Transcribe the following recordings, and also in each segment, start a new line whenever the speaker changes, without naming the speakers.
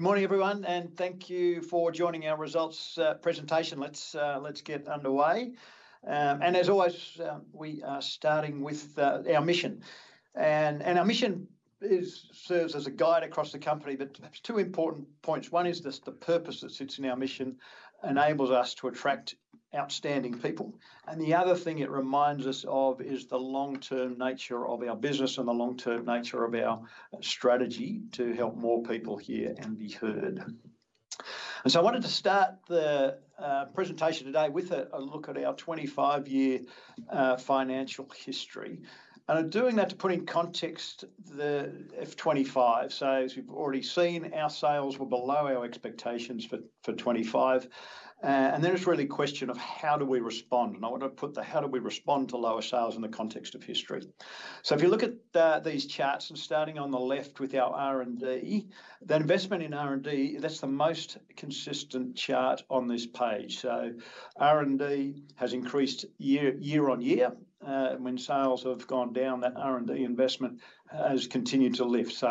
Good morning, everyone, and thank you for joining our results presentation. Let's get underway. As always, we are starting with our mission. Our mission serves as a guide across the company, but there are two important points. One is the purpose that sits in our mission enables us to attract outstanding people. The other thing it reminds us of is the long-term nature of our business and the long-term nature of our strategy to help more people hear and be heard. I wanted to start the presentation today with a look at our 25-year financial history. I'm doing that to put in context the F2025. As we've already seen, our sales were below our expectations for 2025. It's really a question of how do we respond? I want to put the how do we respond to lower sales in the context of history. If you look at these charts, I'm starting on the left with our R&D. That investment in R&D, that's the most consistent chart on this page. R&D has increased year-on-year. When sales have gone down, that R&D investment has continued to lift.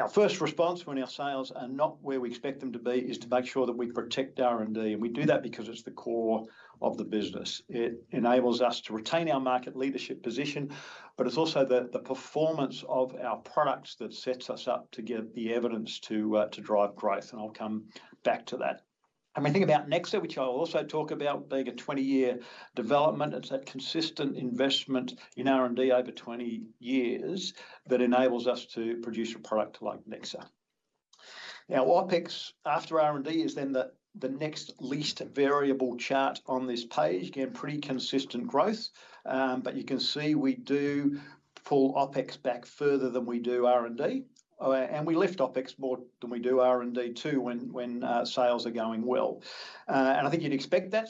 Our first response when our sales are not where we expect them to be is to make sure that we protect R&D. We do that because it's the core of the business. It enables us to retain our market leadership position, but it's also the performance of our products that sets us up to give the evidence to drive growth. I'll come back to that. When I think about Nexa, which I'll also talk about being a 20-year development, it's that consistent investment in R&D over 20 years that enables us to produce a product like Nexa. OpEx after R&D is then the next least variable chart on this page. Again, pretty consistent growth. You can see we do pull OpEx back further than we do R&D. We lift OpEx more than we do R&D too when sales are going well. I think you'd expect that.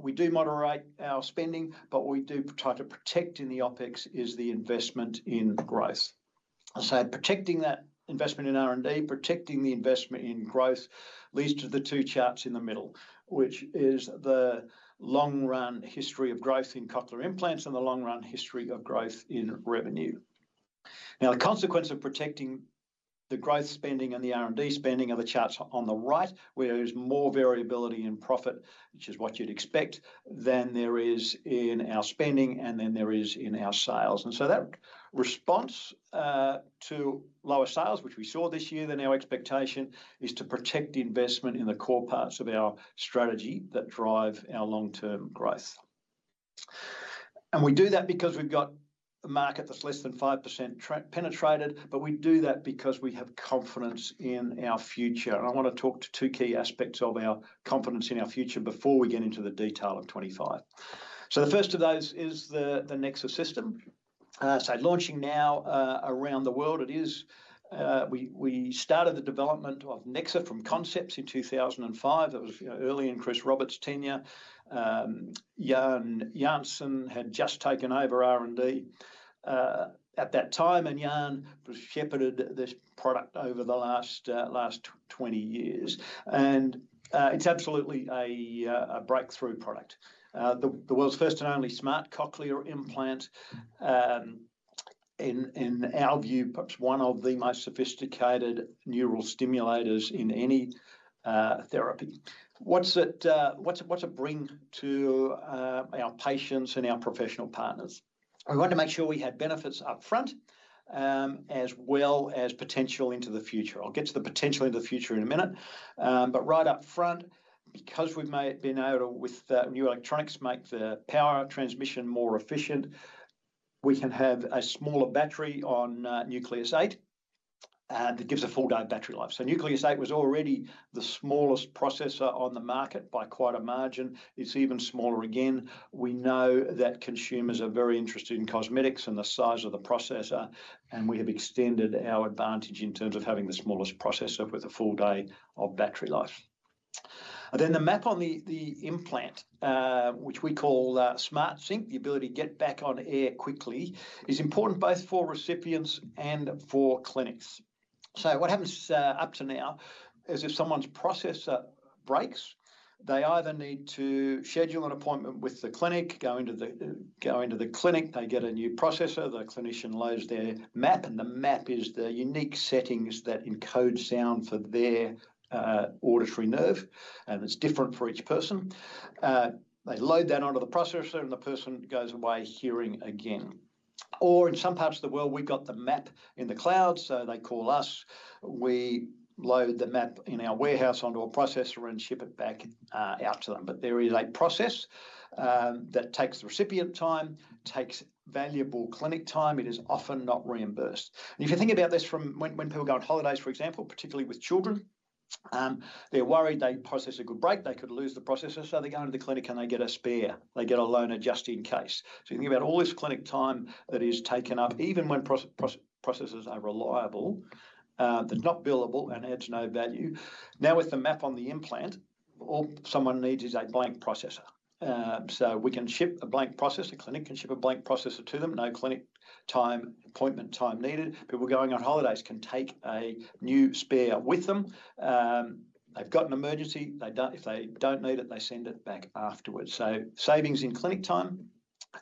We do moderate our spending, but we do try to protect in the OpEx is the investment in growth. Protecting that investment in R&D, protecting the investment in growth leads to the two charts in the middle, which is the long-run history of growth in Cochlear implants and the long-run history of growth in revenue. The consequence of protecting the growth spending and the R&D spending are the charts on the right, where there's more variability in profit, which is what you'd expect, than there is in our spending and than there is in our sales. That response to lower sales, which we saw this year than our expectation, is to protect investment in the core parts of our strategy that drive our long-term growth. We do that because we've got a market that's less than 5% penetrated, and we do that because we have confidence in our future. I want to talk to two key aspects of our confidence in our future before we get into the detail of 2025. The first of those is the Nexa system. Launching now around the world, we started the development of Nexa from concepts in 2005. It was early in Chris Roberts' tenure. Jan Janssen had just taken over R&D at that time, and Jan shepherded this product over the last 20 years. It's absolutely a breakthrough product. The world's first and only smart Cochlear implant. In our view, perhaps one of the most sophisticated neural stimulators in any therapy. What does it bring to our patients and our professional partners? I want to make sure we had benefits upfront as well as potential into the future. I'll get to the potential into the future in a minute. Right upfront, because we've been able to, with new electronics, make the power transmission more efficient, we can have a smaller battery on Nucleus 8. It gives a full day battery life. Nucleus 8 was already the smallest processor on the market by quite a margin. It's even smaller again. We know that consumers are very interested in cosmetics and the size of the processor, and we have extended our advantage in terms of having the smallest processor with a full day of battery life. The map on the implant, which we call SmartSync, the ability to get back on air quickly, is important both for recipients and for clinics. What happens up to now is if someone's processor breaks, they either need to schedule an appointment with the clinic, go into the clinic, they get a new processor, the clinician loads their map, and the map is the unique settings that encode sound for their auditory nerve. It's different for each person. They load that onto the processor and the person goes away hearing again. In some parts of the world, we've got the map in the cloud, so they call us. We load the map in our warehouse onto a processor and ship it back out to them. There is a process that takes the recipient time, takes valuable clinic time. It is often not reimbursed. If you think about this from when people go on holidays, for example, particularly with children, they're worried they process a good break, they could lose the processor, so they go into the clinic and they get a spare. They get a loaner just in case. You think about all this clinic time that is taken up, even when processors are reliable, they're not billable and add no value. Now, with the map on the implant, all someone needs is a blank processor. We can ship a blank processor, clinic can ship a blank processor to them, no clinic time, appointment time needed. People going on holidays can take a new spare with them. They've got an emergency. If they don't need it, they send it back afterwards. Savings in clinic time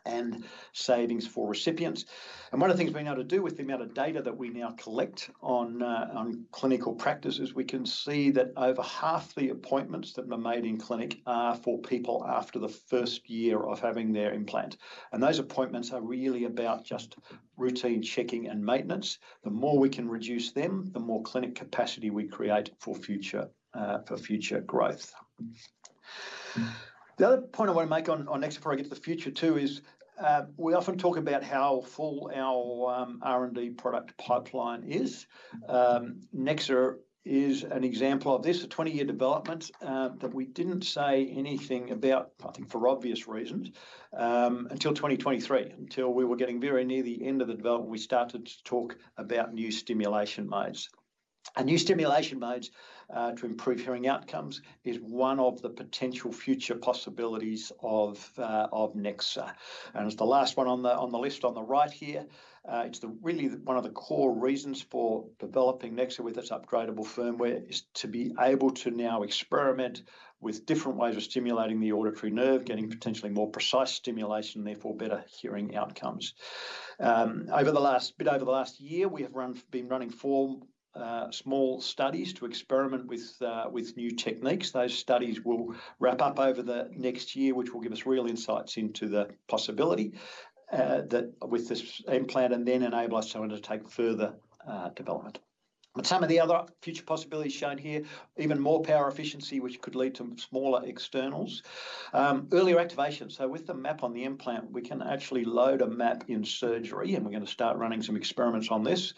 and savings for recipients. One of the things we're able to do with the amount of data that we now collect on clinical practices, we can see that over half the appointments that are made in clinic are for people after the first year of having their implant. Those appointments are really about just routine checking and maintenance. The more we can reduce them, the more clinic capacity we create for future growth. The other point I want to make on Nexa, before I get to the future too, is we often talk about how full our R&D product pipeline is. Nexa is an example of this, a 20-year development that we didn't say anything about, I think, for obvious reasons, until 2023, until we were getting very near the end of the development. We started to talk about new stimulation modes. New stimulation modes to improve hearing outcomes is one of the potential future possibilities of Nexa. It's the last one on the list on the right here. It's really one of the core reasons for developing Nexa with its upgradable firmware is to be able to now experiment with different ways of stimulating the auditory nerve, getting potentially more precise stimulation and therefore better hearing outcomes. Over the last year, we have been running four small studies to experiment with new techniques. Those studies will wrap up over the next year, which will give us real insights into the possibility that with this implant and then enable us to undertake further development. Some of the other future possibilities shown here, even more power efficiency, which could lead to smaller externals, earlier activation. With the map on the implant, we can actually load a map in surgery, and we're going to start running some experiments on this,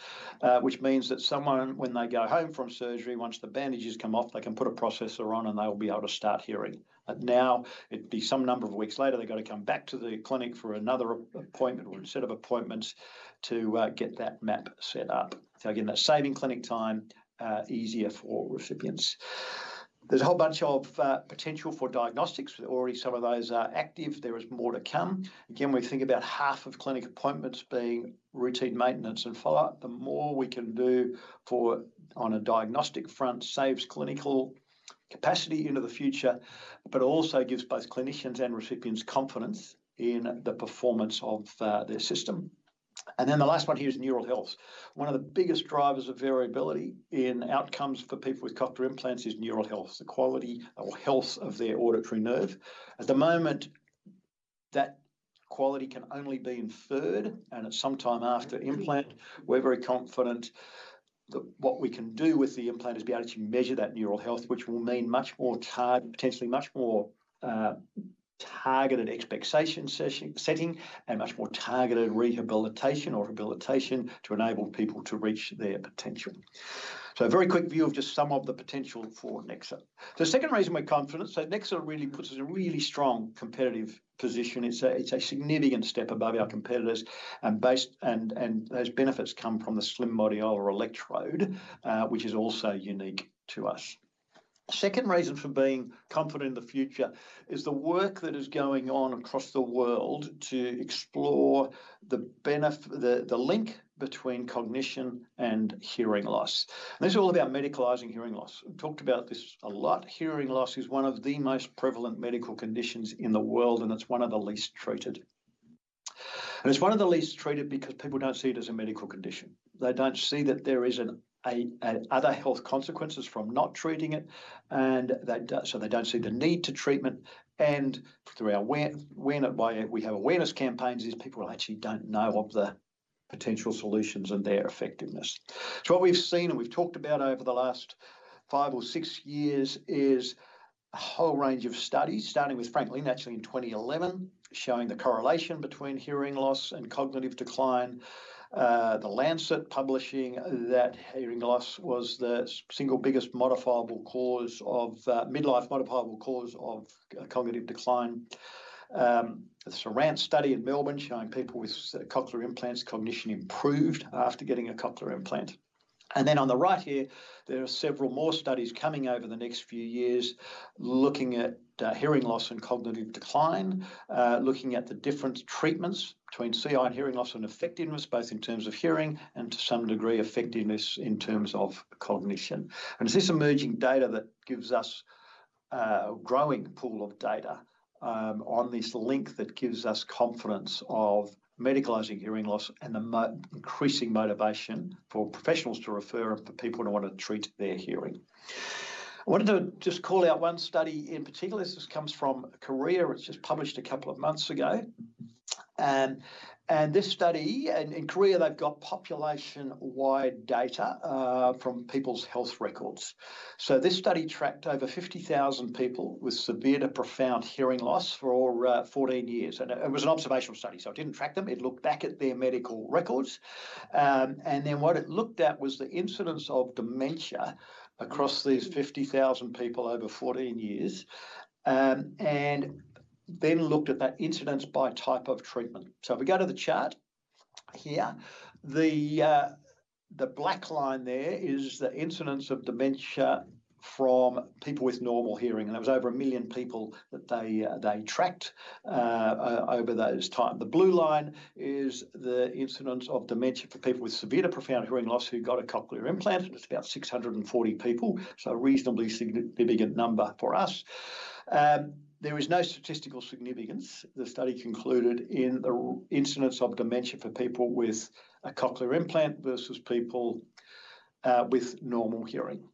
which means that someone, when they go home from surgery, once the bandages come off, they can put a processor on and they'll be able to start hearing. It'd be some number of weeks later, they've got to come back to the clinic for another appointment or a set of appointments to get that map set up. That's saving clinic time, easier for recipients. There's a whole bunch of potential for diagnostics. Already some of those are active. There is more to come. We think about half of clinic appointments being routine maintenance and follow-up. The more we can do on a diagnostic front saves clinical capacity into the future, but also gives both clinicians and recipients confidence in the performance of their system. The last one here is neural health. One of the biggest drivers of variability in outcomes for people with Cochlear implants is neural health, the quality or health of their auditory nerve. At the moment, that quality can only be inferred, and at some time after implant, we're very confident that what we can do with the implant is be able to measure that neural health, which will mean much more potentially much more targeted expectation setting and much more targeted rehabilitation or rehabilitation to enable people to reach their potential. A very quick view of just some of the potential for Nexa. The second reason we're confident, Nexa really puts us in a really strong competitive position. It's a significant step above our competitors, and those benefits come from the slim body or electrode, which is also unique to us. The second reason for being confident in the future is the work that is going on across the world to explore the link between cognition and hearing loss. This is all about medicalizing hearing loss. We've talked about this a lot. Hearing loss is one of the most prevalent medical conditions in the world, and it's one of the least treated. It's one of the least treated because people don't see it as a medical condition. They don't see that there are other health consequences from not treating it, and so they don't see the need to treatment. Through our awareness campaigns, these people actually don't know of the potential solutions and their effectiveness. What we've seen and we've talked about over the last five or six years is a whole range of studies, starting with Frank Lin, actually in 2011, showing the correlation between hearing loss and cognitive decline. The Lancet published that hearing loss was the single biggest modifiable cause of the midlife modifiable cause of cognitive decline. The Sarant study in Melbourne showed people with Cochlear implants, cognition improved after getting a Cochlear implant. On the right here, there are several more studies coming over the next few years looking at hearing loss and cognitive decline, looking at the different treatments between CI and hearing loss and effectiveness, both in terms of hearing and to some degree effectiveness in terms of cognition. It's this emerging data that gives us a growing pool of data on this link that gives us confidence of medicalizing hearing loss and the increasing motivation for professionals to refer people who want to treat their hearing. I wanted to just call out one study in particular. This comes from Korea. It was just published a couple of months ago. This study in Korea, they've got population-wide data from people's health records. This study tracked over 50,000 people with severe to profound hearing loss for 14 years. It was an observational study, so it didn't track them. It looked back at their medical records. What it looked at was the incidence of dementia across these 50,000 people over 14 years, and then looked at that incidence by type of treatment. If we go to the chart here, the black line there is the incidence of dementia from people with normal hearing. There was over a million people that they tracked over those times. The blue line is the incidence of dementia for people with severe to profound hearing loss who got a Cochlear implant. It's about 640 people, so a reasonably significant number for us. There is no statistical significance. The study concluded in the incidence of dementia for people with a Cochlear implant versus people with normal hearing.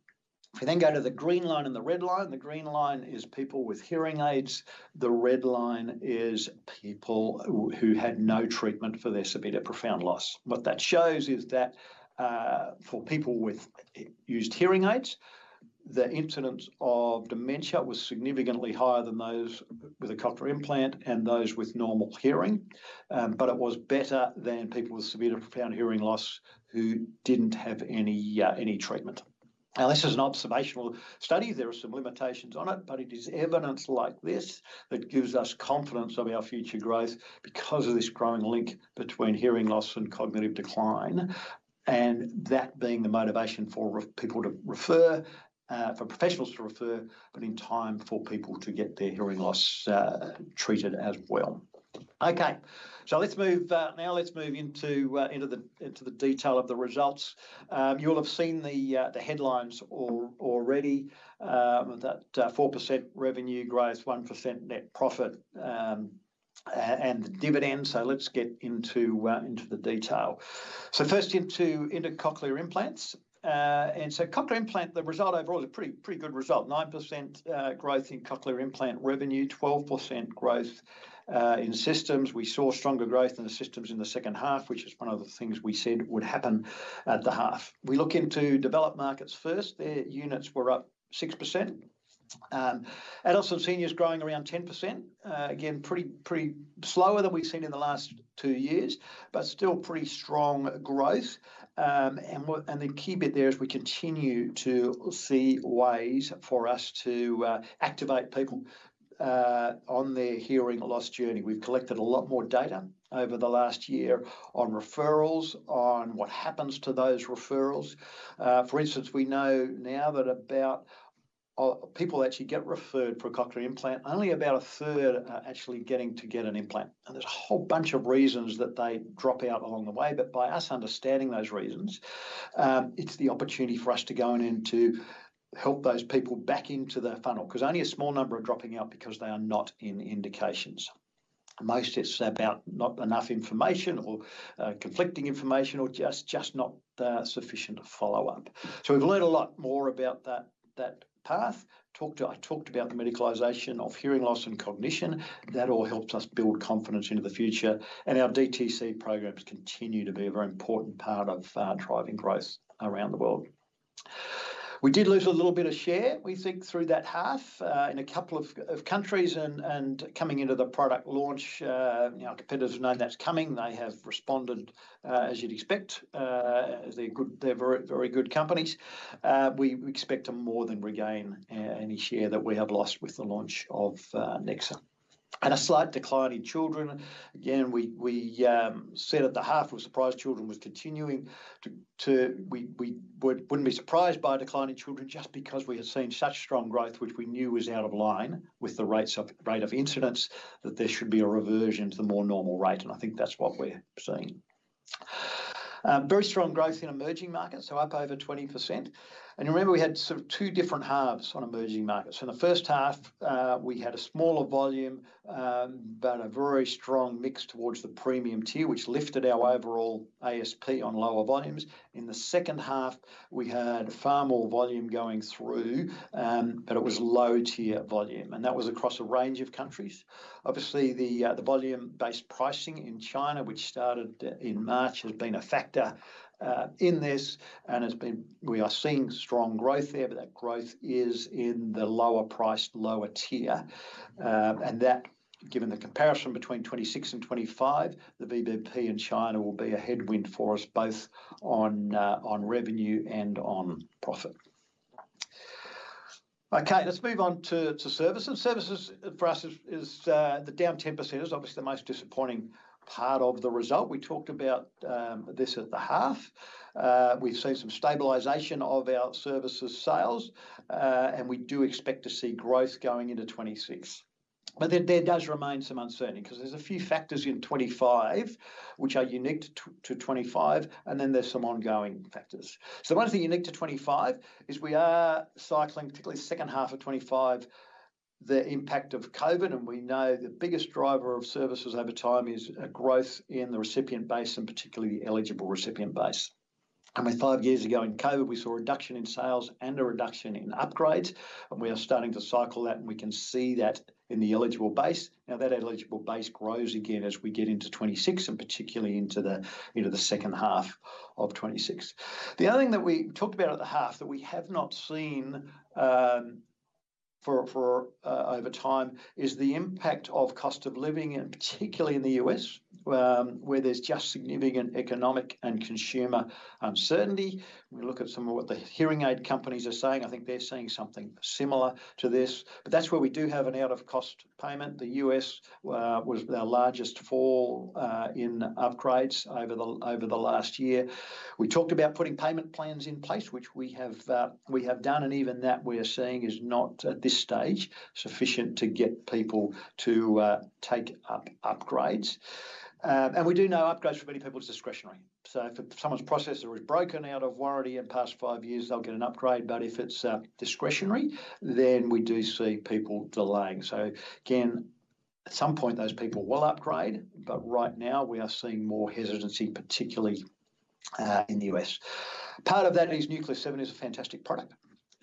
If you then go to the green line and the red line, the green line is people with hearing aids. The red line is people who had no treatment for their severe to profound loss. What that shows is that for people who used hearing aids, the incidence of dementia was significantly higher than those with a Cochlear implant and those with normal hearing. It was better than people with severe to profound hearing loss who didn't have any treatment. This is an observational study. There are some limitations on it, but it is evidence like this that gives us confidence of our future growth because of this growing link between hearing loss and cognitive decline, and that being the motivation for people to refer, for professionals to refer, but in time for people to get their hearing loss treated as well. Let's move now into the detail of the results. You'll have seen the headlines already, that 4% revenue growth, 1% net profit, and the dividend. Let's get into the detail. First into Cochlear implants. Cochlear implant, the result overall is a pretty good result. 9% growth in Cochlear implant revenue, 12% growth in systems. We saw stronger growth in the systems in the second half, which is one of the things we said would happen at the half. We look into developed markets first. Their units were up 6%. Adults and seniors growing around 10%. It is slower than we've seen in the last two years, but still pretty strong growth. The key bit there is we continue to see ways for us to activate people on their hearing loss journey. We've collected a lot more data over the last year on referrals, on what happens to those referrals. For instance, we know now that about people actually get referred for a Cochlear implant, only about 1/3 are actually getting to get an implant. There is a whole bunch of reasons that they drop out along the way. By us understanding those reasons, it's the opportunity for us to go in and to help those people back into the funnel because only a small number are dropping out because they are not in indications. Most, it's about not enough information or conflicting information or just not sufficient to follow up. We've learned a lot more about that path. I talked about the medicalization of hearing loss and cognition. That all helps us build confidence into the future. Our DTC programs continue to be a very important part of driving growth around the world. We did lose a little bit of share, we think, through that half in a couple of countries. Coming into the product launch, our competitors know that's coming. They have responded as you'd expect. They're very good companies. We expect to more than regain any share that we have lost with the launch of Nexa. A slight decline in children. Again, we said at the half, we were surprised children were continuing to... We wouldn't be surprised by a decline in children just because we have seen such strong growth, which we knew was out of line with the rate of incidence, that there should be a reversion to the more normal rate. I think that's what we're seeing. Very strong growth in emerging markets, up over 20%. Remember, we had sort of two different halves on emerging markets. In the first half, we had a smaller volume, but a very strong mix towards the premium tier, which lifted our overall ASP on lower volumes. In the second half, we had far more volume going through, but it was low-tier volume. That was across a range of countries. Obviously, the volume-based pricing in China, which started in March, has been a factor in this. We are seeing strong growth there, but that growth is in the lower priced, lower tier. Given the comparison between 2026 and 2025, the volume-based pricing in China will be a headwind for us, both on revenue and on profit. Let's move on to services. Services for us is the down 10%. It's obviously the most disappointing part of the result. We talked about this at the half. We've seen some stabilization of our services sales, and we do expect to see growth going into 2026. There does remain some uncertainty because there's a few factors in 2025 which are unique to 2025, and then there's some ongoing factors. The one thing unique to 2025 is we are cycling, particularly the second half of 2025, the impact of COVID. We know the biggest driver of services over time is a growth in the recipient base, and particularly the eligible recipient base. We thought years ago in COVID, we saw a reduction in sales and a reduction in upgrades. We are starting to cycle that, and we can see that in the eligible base. Now that eligible base grows again as we get into 2026, and particularly into the second half of 2026. The other thing that we talked about at the half that we have not seen for over time is the impact of cost of living, particularly in the U.S., where there's just significant economic and consumer uncertainty. We look at some of what the hearing aid companies are saying. I think they're saying something similar to this. That's where we do have an out-of-cost payment. The U.S. was our largest fall in upgrades over the last year. We talked about putting payment plans in place, which we have done. Even that we are seeing is not at this stage sufficient to get people to take up upgrades. We do know upgrades for many people are discretionary. If someone's processor is broken out of warranty in the past five years, they'll get an upgrade. If it's discretionary, we do see people delaying. At some point, those people will upgrade. Right now, we are seeing more hesitancy, particularly in the U.S. Part of that is Nucleus 7 is a fantastic product.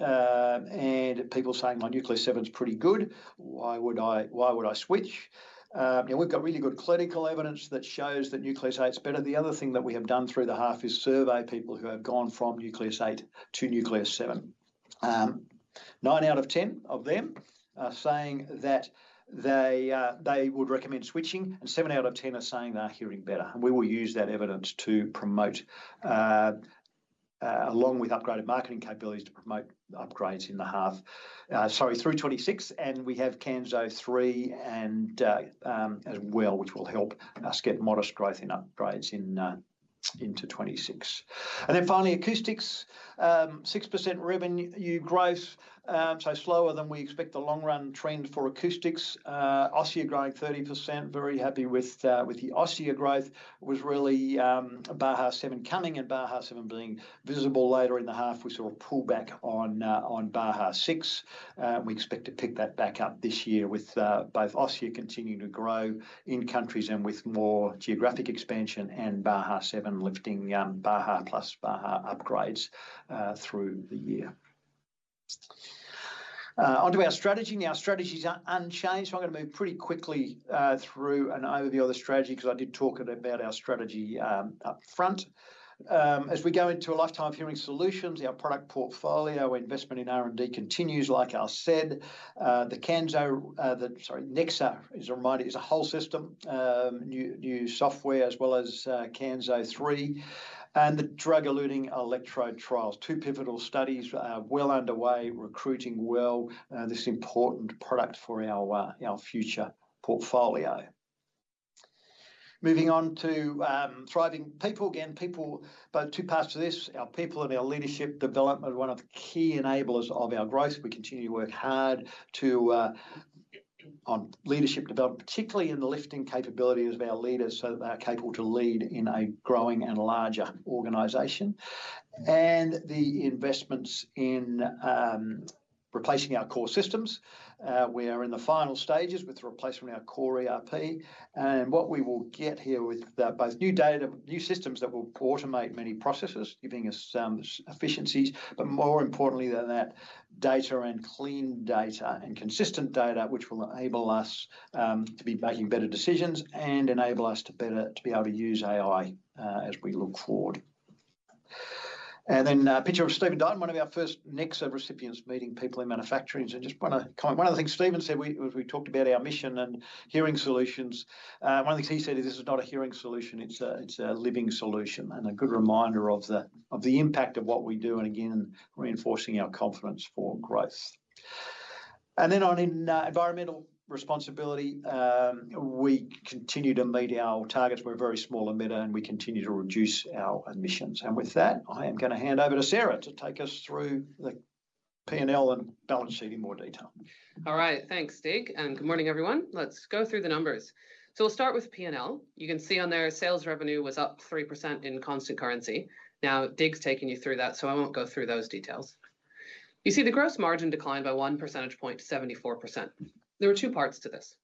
People are saying, "My Nucleus 7 is pretty good. Why would I switch?" We have really good clinical evidence that shows that Nucleus 8 is better. The other thing that we have done through the half is survey people who have gone from Nucleus 8 to Nucleus 7. Nine out of ten of them are saying that they would recommend switching, and seven out of ten are saying they're hearing better. We will use that evidence to promote, along with upgraded marketing capabilities, to promote upgrades in the half, sorry, through 2026. We have Kanso 3 as well, which will help us get modest growth in upgrades into 2026. Finally, acoustics, 6% revenue growth, so slower than we expect the long-run trend for acoustics. Osia growth, 30%. Very happy with the Osia growth. It was really Baha 7 coming and Baha 7 being visible later in the half. We saw a pullback on Baha 6. We expect to pick that back up this year with both Osia continuing to grow in countries and with more geographic expansion and Baha 7 lifting Baha plus Baha upgrades through the year. Onto our strategy. Our strategies are unchanged. I'm going to move pretty quickly through and over the other strategy because I did talk a bit about our strategy upfront. As we go into a lifetime of hearing solutions, our product portfolio, our investment in R&D continues, like I said. The Kanso, sorry, Nexa is a whole system, new software as well as Kanso 3. The drug-eluting electrode trials, two pivotal studies well underway, recruiting well, this important product for our future portfolio. Moving on to thriving people. People, but too passed to pass to this, our people and our leadership development, one of the key enablers of our growth. We continue to work hard on leadership development, particularly in the lifting capabilities of our leaders so that they're capable to lead in a growing and larger organization. The investments in replacing our core systems. We are in the final stages with the replacement of our core ERP. What we will get here with both new data, new systems that will automate many processes, giving us some efficiencies. More importantly than that, data and clean data and consistent data, which will enable us to be making better decisions and enable us to be able to use AI as we look forward. A picture of Stephen Dunn, one of our first Nexa recipients, meeting people in manufacturing. I just want to comment, one of the things Stephen said was we talked about our mission and hearing solutions. One of the things he said is this is not a hearing solution. It's a living solution and a good reminder of the impact of what we do, again reinforcing our confidence for growth. On environmental responsibility, we continue to meet our targets. We're a very small emitter and we continue to reduce our emissions. With that, I am going to hand over to Sarah to take us through the P&L and balance sheet in more detail.
All right, thanks, Dig. And good morning, everyone. Let's go through the numbers. We'll start with P&L. You can see on there, sales revenue was up 3% in constant currency. Now, Dig's taking you through that, so I won't go through those details. You see the gross margin declined by 1 percentage point, 74%. There were two parts to this.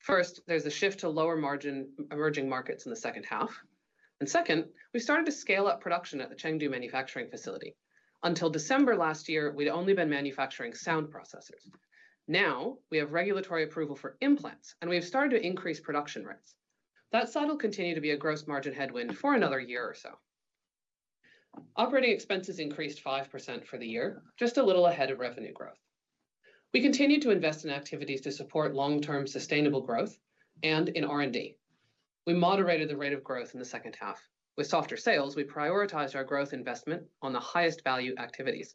First, there's a shift to lower margin emerging markets in the second half. Second, we started to scale up production at the Chengdu manufacturing facility. Until December last year, we'd only been manufacturing sound processors. Now, we have regulatory approval for implants, and we have started to increase production rates. That side will continue to be a gross margin headwind for another year or so. Operating expenses increased 5% for the year, just a little ahead of revenue growth. We continued to invest in activities to support long-term sustainable growth and in R&D. We moderated the rate of growth in the second half. With softer sales, we prioritized our growth investment on the highest value activities.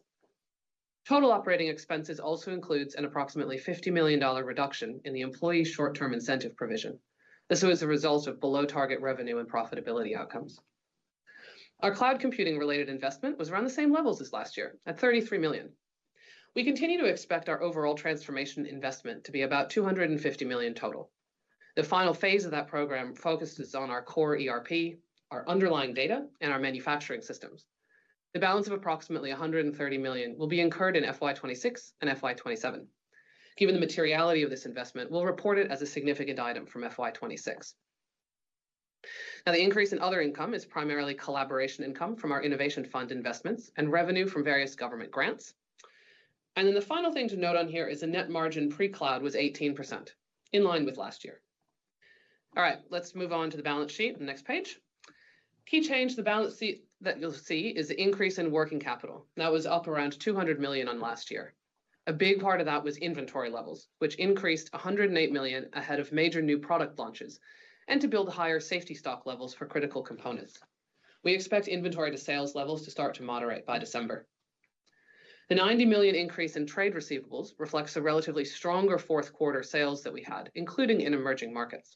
Total operating expenses also include an approximately $50 million reduction in the employee short-term incentive provision. This was a result of below-target revenue and profitability outcomes. Our cloud computing related investment was around the same levels as last year at $33 million. We continue to expect our overall transformation investment to be about $250 million total. The final phase of that program focuses on our core ERP, our underlying data, and our manufacturing systems. The balance of approximately $130 million will be incurred in FY2026 and FY2027. Given the materiality of this investment, we'll report it as a significant item from FY2026. The increase in other income is primarily collaboration income from our innovation fund investments and revenue from various government grants. The final thing to note on here is the net margin pre-cloud was 18%, in line with last year. All right, let's move on to the balance sheet on the next page. Key change to the balance sheet that you'll see is the increase in working capital. That was up around $200 million on last year. A big part of that was inventory levels, which increased $108 million ahead of major new product launches and to build the higher safety stock levels for critical components. We expect inventory to sales levels to start to moderate by December. The $90 million increase in trade receivables reflects a relatively stronger fourth quarter sales that we had, including in emerging markets.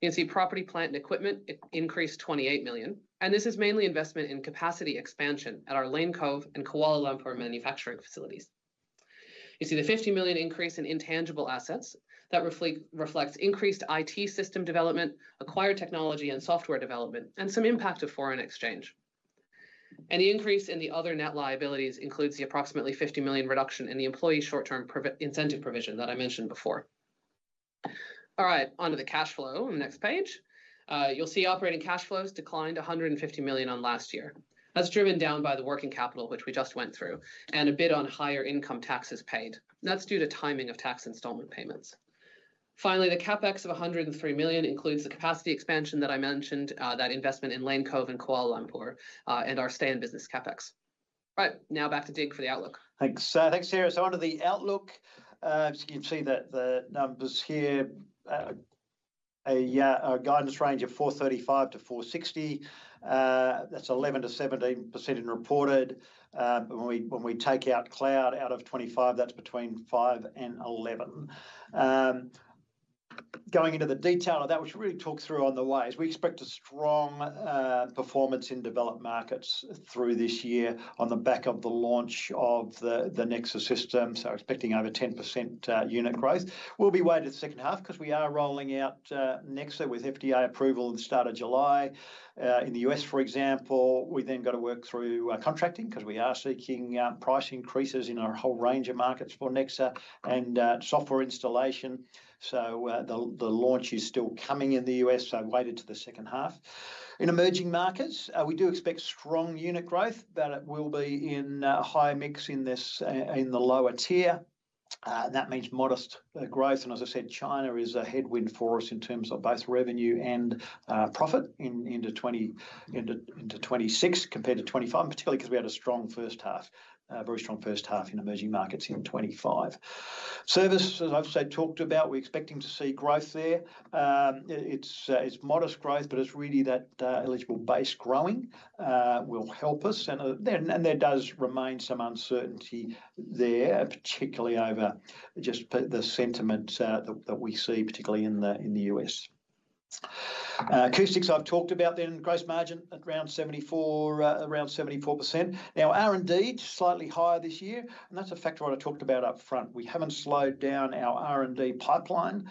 You can see property, plant, and equipment increased $28 million. This is mainly investment in capacity expansion at our Lane Cove and Kuala Lumpur manufacturing facilities. You see the $50 million increase in intangible assets. That reflects increased IT system development, acquired technology, and software development, and some impact of foreign exchange. The increase in the other net liabilities includes the approximately $50 million reduction in the employee short-term incentive provision that I mentioned before. All right, onto the cash flow on the next page. You'll see operating cash flows declined $150 million on last year. That's driven down by the working capital, which we just went through, and a bit on higher income taxes paid. That's due to timing of tax installment payments. Finally, the CapEx of $103 million includes the capacity expansion that I mentioned, that investment in Lane Cove and Kuala Lumpur, and our stay in business CapEx. All right, now back to Dig for the outlook.
Thanks, Sarah. Under the outlook, you'll see that the numbers here are a guidance range of $435 million-$460 million. That's 11%-17% in reported. When we take out cloud out of $25 million, that's between 5% and 11%. Going into the detail of that, we should really talk through on the ways. We expect a strong performance in developed markets through this year on the back of the launch of the Nexa system. We're expecting over 10% unit growth. We'll be waiting the second half because we are rolling out Nexa with FDA approval at the start of July. In the U.S., for example, we then have to work through contracting because we are seeking price increases in a whole range of markets for Nexa and software installation. The launch is still coming in the U.S., so weighted to the second half. In emerging markets, we do expect strong unit growth, but it will be in a high mix in the lower tier. That means modest growth. As I said, China is a headwind for us in terms of both revenue and profit into 2026 compared to 2025, particularly because we had a strong first half, a very strong first half in emerging markets in 2025. Service, as I've talked about, we're expecting to see growth there. It's modest growth, but it's really that eligible base growing will help us. There does remain some uncertainty there, particularly over just the sentiment that we see, particularly in the U.S. Acoustics, I've talked about then, gross margin at around 74%. Now, R&D is slightly higher this year, and that's a factor I talked about upfront. We haven't slowed down our R&D pipeline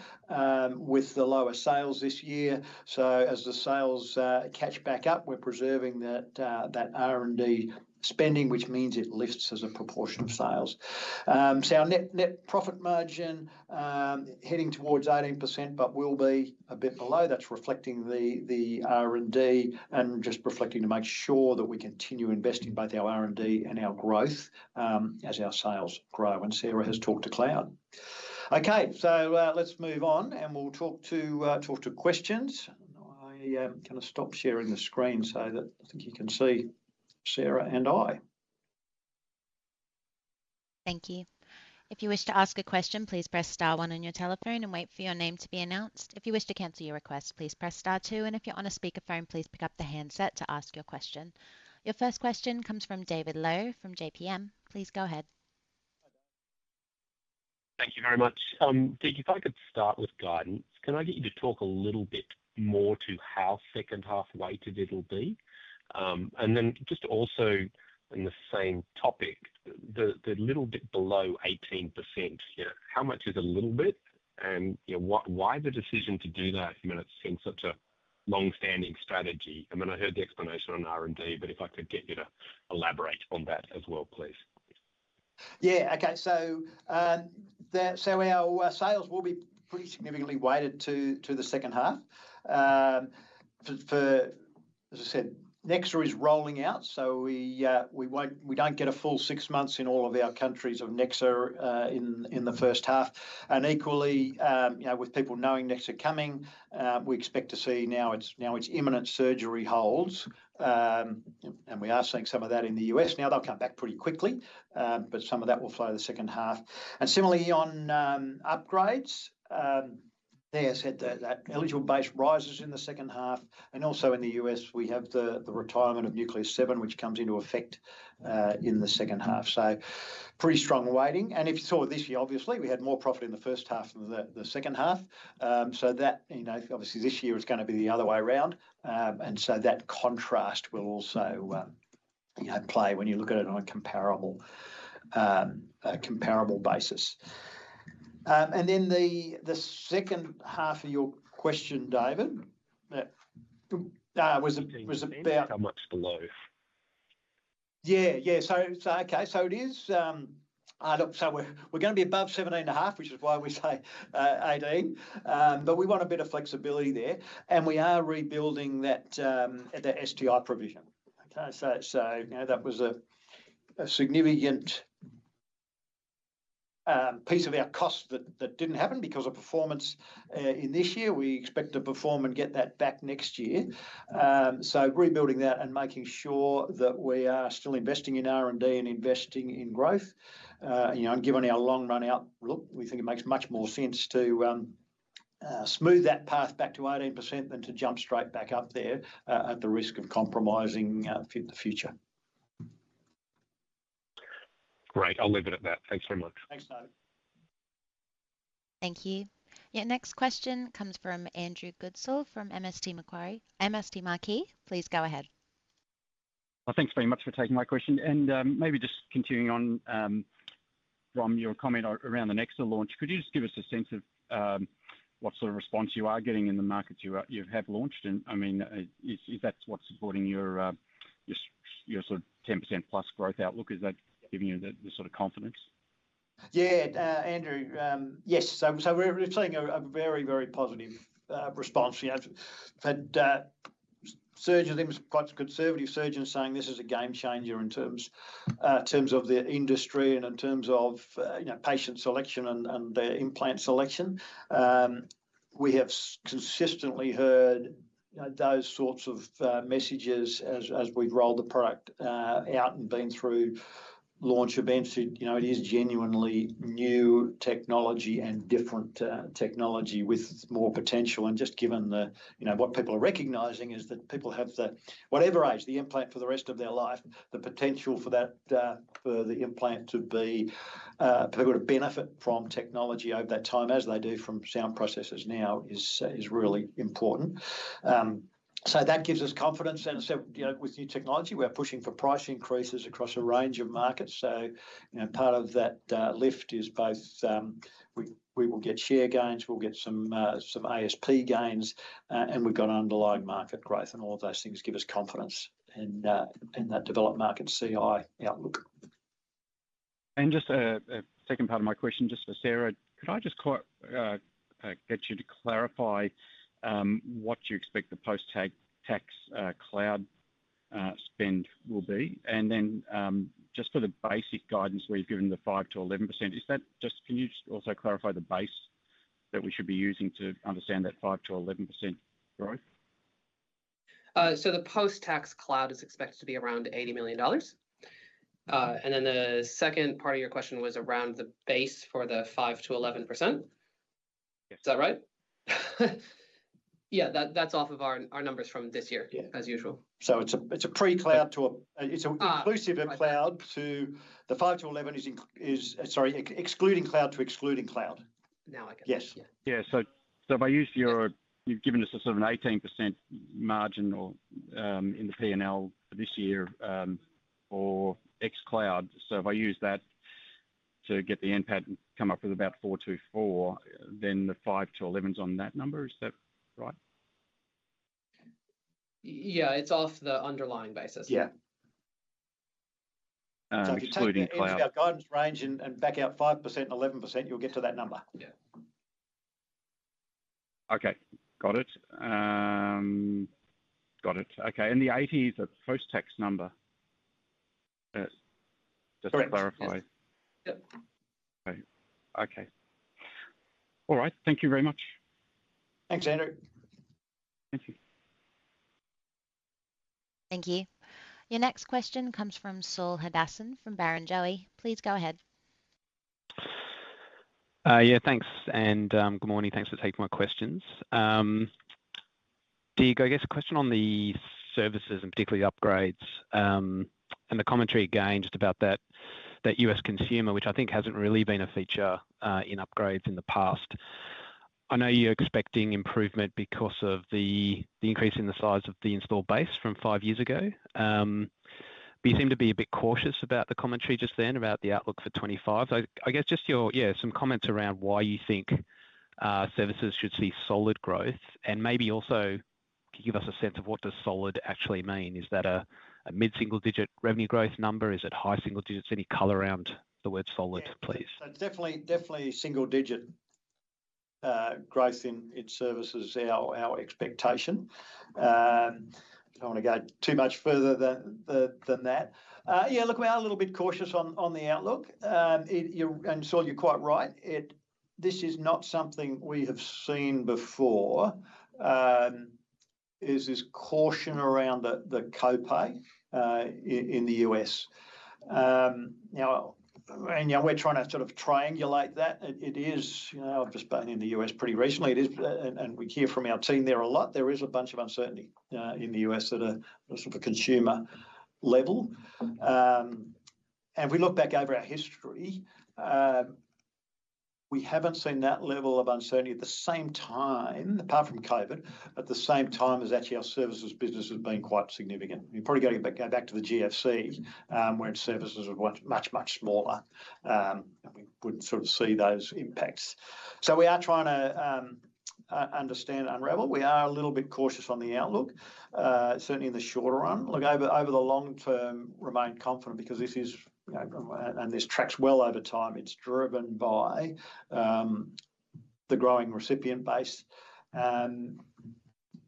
with the lower sales this year. As the sales catch back up, we're preserving that R&D spending, which means it lifts as a proportion of sales. Our net profit margin is heading towards 18%, but will be a bit below. That's reflecting the R&D and just reflecting to make sure that we continue investing both our R&D and our growth as our sales grow, and Sarah has talked to cloud. Okay, let's move on and we'll talk to questions. I'm going to stop sharing the screen so that you can see Sarah and I.
Thank you. If you wish to ask a question, please press star one on your telephone and wait for your name to be announced. If you wish to cancel your request, please press star two, and if you're on a speaker phone, please pick up the handset to ask your question. Your first question comes from David Low from JPMorgan. Please go ahead.
Thank you very much. Dig, if I could start with guidance, can I get you to talk a little bit more to how second half weighted it'll be? Also, on the same topic, the little bit below 18%, how much is a little bit and why the decision to do that? It seems such a long-standing strategy. I heard the explanation on R&D, but if I could get you to elaborate on that as well, please.
Yeah, okay. Our sales will be pretty significantly weighted to the second half. As I said, Nexa is rolling out, so we don't get a full six months in all of our countries of Nexa in the first half. Equally, with people knowing Nexa is coming, we expect to see now it's imminent surgery holds. We are seeing some of that in the U.S. They'll come back pretty quickly, but some of that will follow the second half. Similarly, on upgrades, they have said that eligible base rises in the second half. Also in the U.S., we have the retirement of Nucleus 7, which comes into effect in the second half. Pretty strong weighting. If you saw this year, obviously, we had more profit in the first half than the second half. This year is going to be the other way around. That contrast will also play when you look at it on a comparable basis. The second half of your question, David, was about.
How much below?
Yeah, yeah. Okay, it is, I don't say we're going to be above 17.5%, which is why we say 18%, but we want a bit of flexibility there. We are rebuilding that at the STI provision. That was a significant piece of our cost that didn't happen because of performance in this year. We expect to perform and get that back next year. Rebuilding that and making sure that we are still investing in R&D and investing in growth. Given our long run-out look, we think it makes much more sense to smooth that path back to 18% than to jump straight back up there at the risk of compromising the future.
Great. I'll leave it at that. Thanks very much.
Thanks, David.
Thank you. Yeah, next question comes from Andrew Goodsall from MST Financial. Please go ahead.
Thank you very much for taking my question. Maybe just continuing on from your comment around the Nexa launch, could you just give us a sense of what sort of response you are getting in the markets you have launched? I mean, is that what's supporting your sort of 10%+ growth outlook? Is that giving you the sort of confidence?
Yeah, Andrew. Yes, we're seeing a very, very positive response. Surgeons, even quite conservative surgeons, are saying this is a game changer in terms of the industry and in terms of patient selection and their implant selection. We have consistently heard those sorts of messages as we've rolled the product out and been through launch events. It is genuinely new technology and different technology with more potential. What people are recognizing is that people have, whatever age, the implant for the rest of their life, the potential for the implant to be able to benefit from technology over that time, as they do from sound processors now, is really important. That gives us confidence. With new technology, we're pushing for price increases across a range of markets. Part of that lift is both we will get share gains, we'll get some ASP gains, and we've got an underlying market growth. All of those things give us confidence in that developed market CI outlook.
Just a second part of my question, for Sarah, could I get you to clarify what you expect the post-tax cloud spend will be? For the basic guidance where you've given the 5%-11%, can you also clarify the base that we should be using to understand that 5%-11% growth?
The post-tax cloud is expected to be around $80 million. The second part of your question was around the base for the 5%-11%. Is that right? Yeah, that's off of our numbers from this year, as usual.
It's a pre-cloud to, it's an inclusive cloud to the 5%-11%, sorry, excluding cloud to excluding cloud.
Now I get it.
Yes.
Yeah, if I use your, you've given us a sort of an 18% margin or in the P&L for this year for X cloud. If I use that to get the NPAD and come up with about $424 million, then the 5%-11% is on that number. Is that right?
Yeah, it's off the underlying basis.
Yeah.
Take our guidance range and back out 5% and 11%, you'll get to that number.
Okay, got it. Got it. Okay, and the 80 is a post-tax number. Just to clarify. Okay. Okay. All right, thank you very much.
Thanks, Andrew.
Thank you.
Thank you. Your next question comes from Saul Hadassin from Barrenjoey. Please go ahead.
Yeah, thanks. Good morning. Thanks for taking my questions. Dig, I guess a question on the services and particularly the upgrades. The commentary again just about that U.S. consumer, which I think hasn't really been a feature in upgrades in the past. I know you're expecting improvement because of the increase in the size of the install base from five years ago. You seem to be a bit cautious about the commentary just then about the outlook for 2025. I guess just your, yeah, some comments around why you think services should see solid growth. Maybe also give us a sense of what does solid actually mean. Is that a mid-single-digit revenue growth number? Is it high single digits? Any color around the word solid, please?
Definitely, definitely single-digit growth in its services, our expectation. I don't want to go too much further than that. Yeah, look, we are a little bit cautious on the outlook. Saul, you're quite right. This is not something we have seen before, this caution around the copay in the U.S. We're trying to sort of triangulate that. I have just been in the U.S. pretty recently, and we hear from our team there a lot. There is a bunch of uncertainty in the U.S. at a sort of a consumer level. If we look back over our history, we haven't seen that level of uncertainty at the same time, apart from COVID, at the same time as actually our services business has been quite significant. We're probably going back to the GFC, when services were much, much smaller. We wouldn't sort of see those impacts. We are trying to understand and unravel. We are a little bit cautious on the outlook, certainly in the shorter run. Over the long term, remain confident because this is, and this tracks well over time. It's driven by the growing recipient base.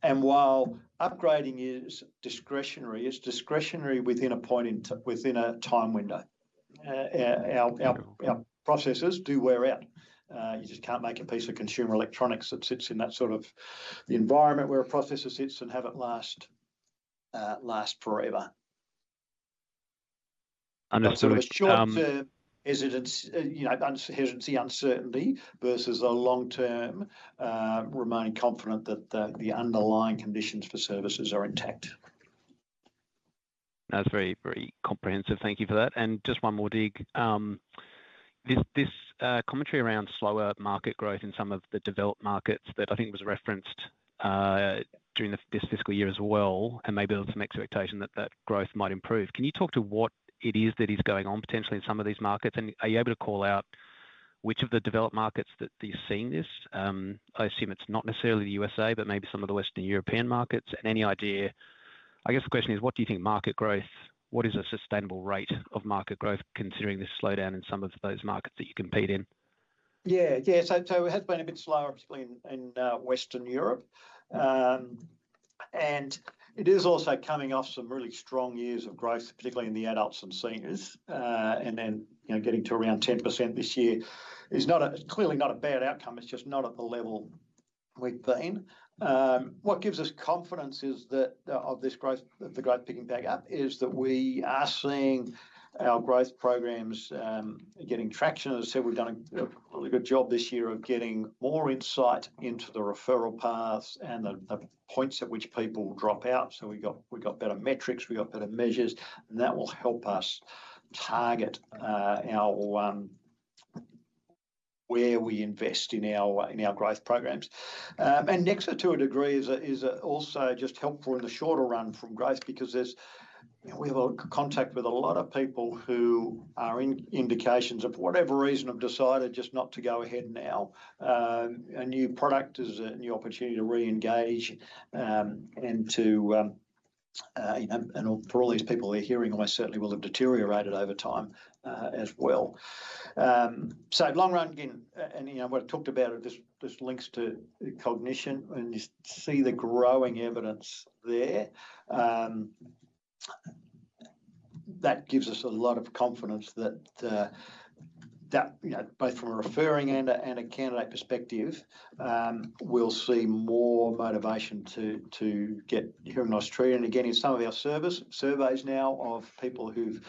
While upgrading is discretionary, it's discretionary within a time window. Our processors do wear out. You just can't make a piece of consumer electronics that sits in that sort of environment where a processor sits and have it last forever.
Understood.
Short-term hesitancy, uncertainty versus a long-term remain confident that the underlying conditions for Services are intact.
That's very, very comprehensive. Thank you for that. Just one more dig. This commentary around slower market growth in some of the developed markets that I think was referenced during this fiscal year as well, and maybe there was some expectation that that growth might improve. Can you talk to what it is that is going on potentially in some of these markets? Are you able to call out which of the developed markets that you're seeing this? I assume it's not necessarily the U.S., but maybe some of the Western European markets. Any idea, I guess the question is, what do you think market growth, what is a sustainable rate of market growth considering this slowdown in some of those markets that you compete in?
Yeah, yeah. We have been a bit slower in Western Europe. It is also coming off some really strong years of growth, particularly in the adults and seniors. Getting to around 10% this year is clearly not a bad outcome. It's just not at the level we've been. What gives us confidence is that of this growth, the growth picking back up, we are seeing our growth programs getting traction. As I said, we've done a really good job this year of getting more insight into the referral paths and the points at which people will drop out. We've got better metrics, we've got better measures, and that will help us target where we invest in our growth programs. Nexa, to a degree, is also just helpful in the shorter run from growth because we have a contact with a lot of people who are in vacations or for whatever reason have decided just not to go ahead now. A new product is a new opportunity to re-engage and for all these people, their hearing almost certainly will have deteriorated over time as well. Long run, again, and you know what I talked about, this links to cognition, and you see the growing evidence there. That gives us a lot of confidence that, you know, both from a referring and a candidate perspective, we'll see more motivation to get hearing loss treated. In some of our surveys now of people who've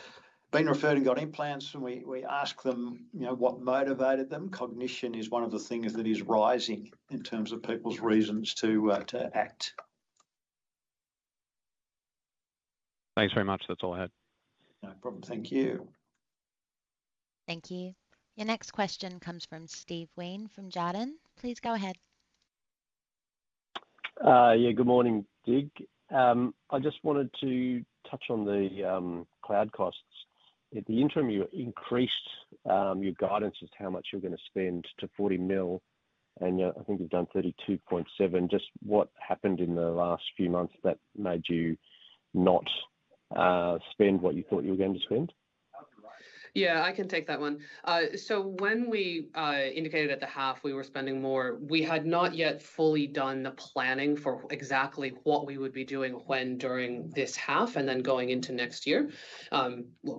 been referred and got implants, and we ask them what motivated them, cognition is one of the things that is rising in terms of people's reasons to act.
Thanks very much. That's all I had.
No problem. Thank you.
Thank you. Your next question comes from Steve Wheen from Jarden. Please go ahead.
Yeah, good morning, Dig. I just wanted to touch on the cloud costs. In the interim, you increased your guidance as to how much you're going to spend to $40 million, and I think you've done $32.7 million. Just what happened in the last few months that made you not spend what you thought you were going to spend?
Yeah, I can take that one. When we indicated at the half we were spending more, we had not yet fully done the planning for exactly what we would be doing when, during this half, and then going into next year,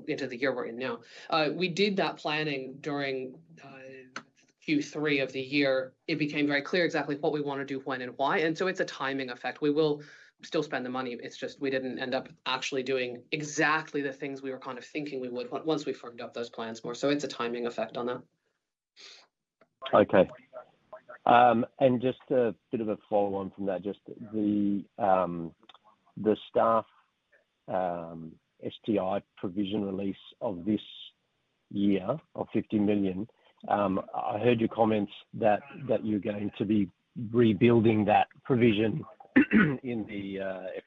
into the year we're in now. We did that planning during Q3 of the year. It became very clear exactly what we want to do, when, and why. It's a timing effect. We will still spend the money. It's just we didn't end up actually doing exactly the things we were kind of thinking we would once we firmed up those plans more. It's a timing effect on that.
Okay. Just a bit of a follow-on from that, the staff STI provision release this year of $50 million. I heard your comments that you're going to be rebuilding that provision in the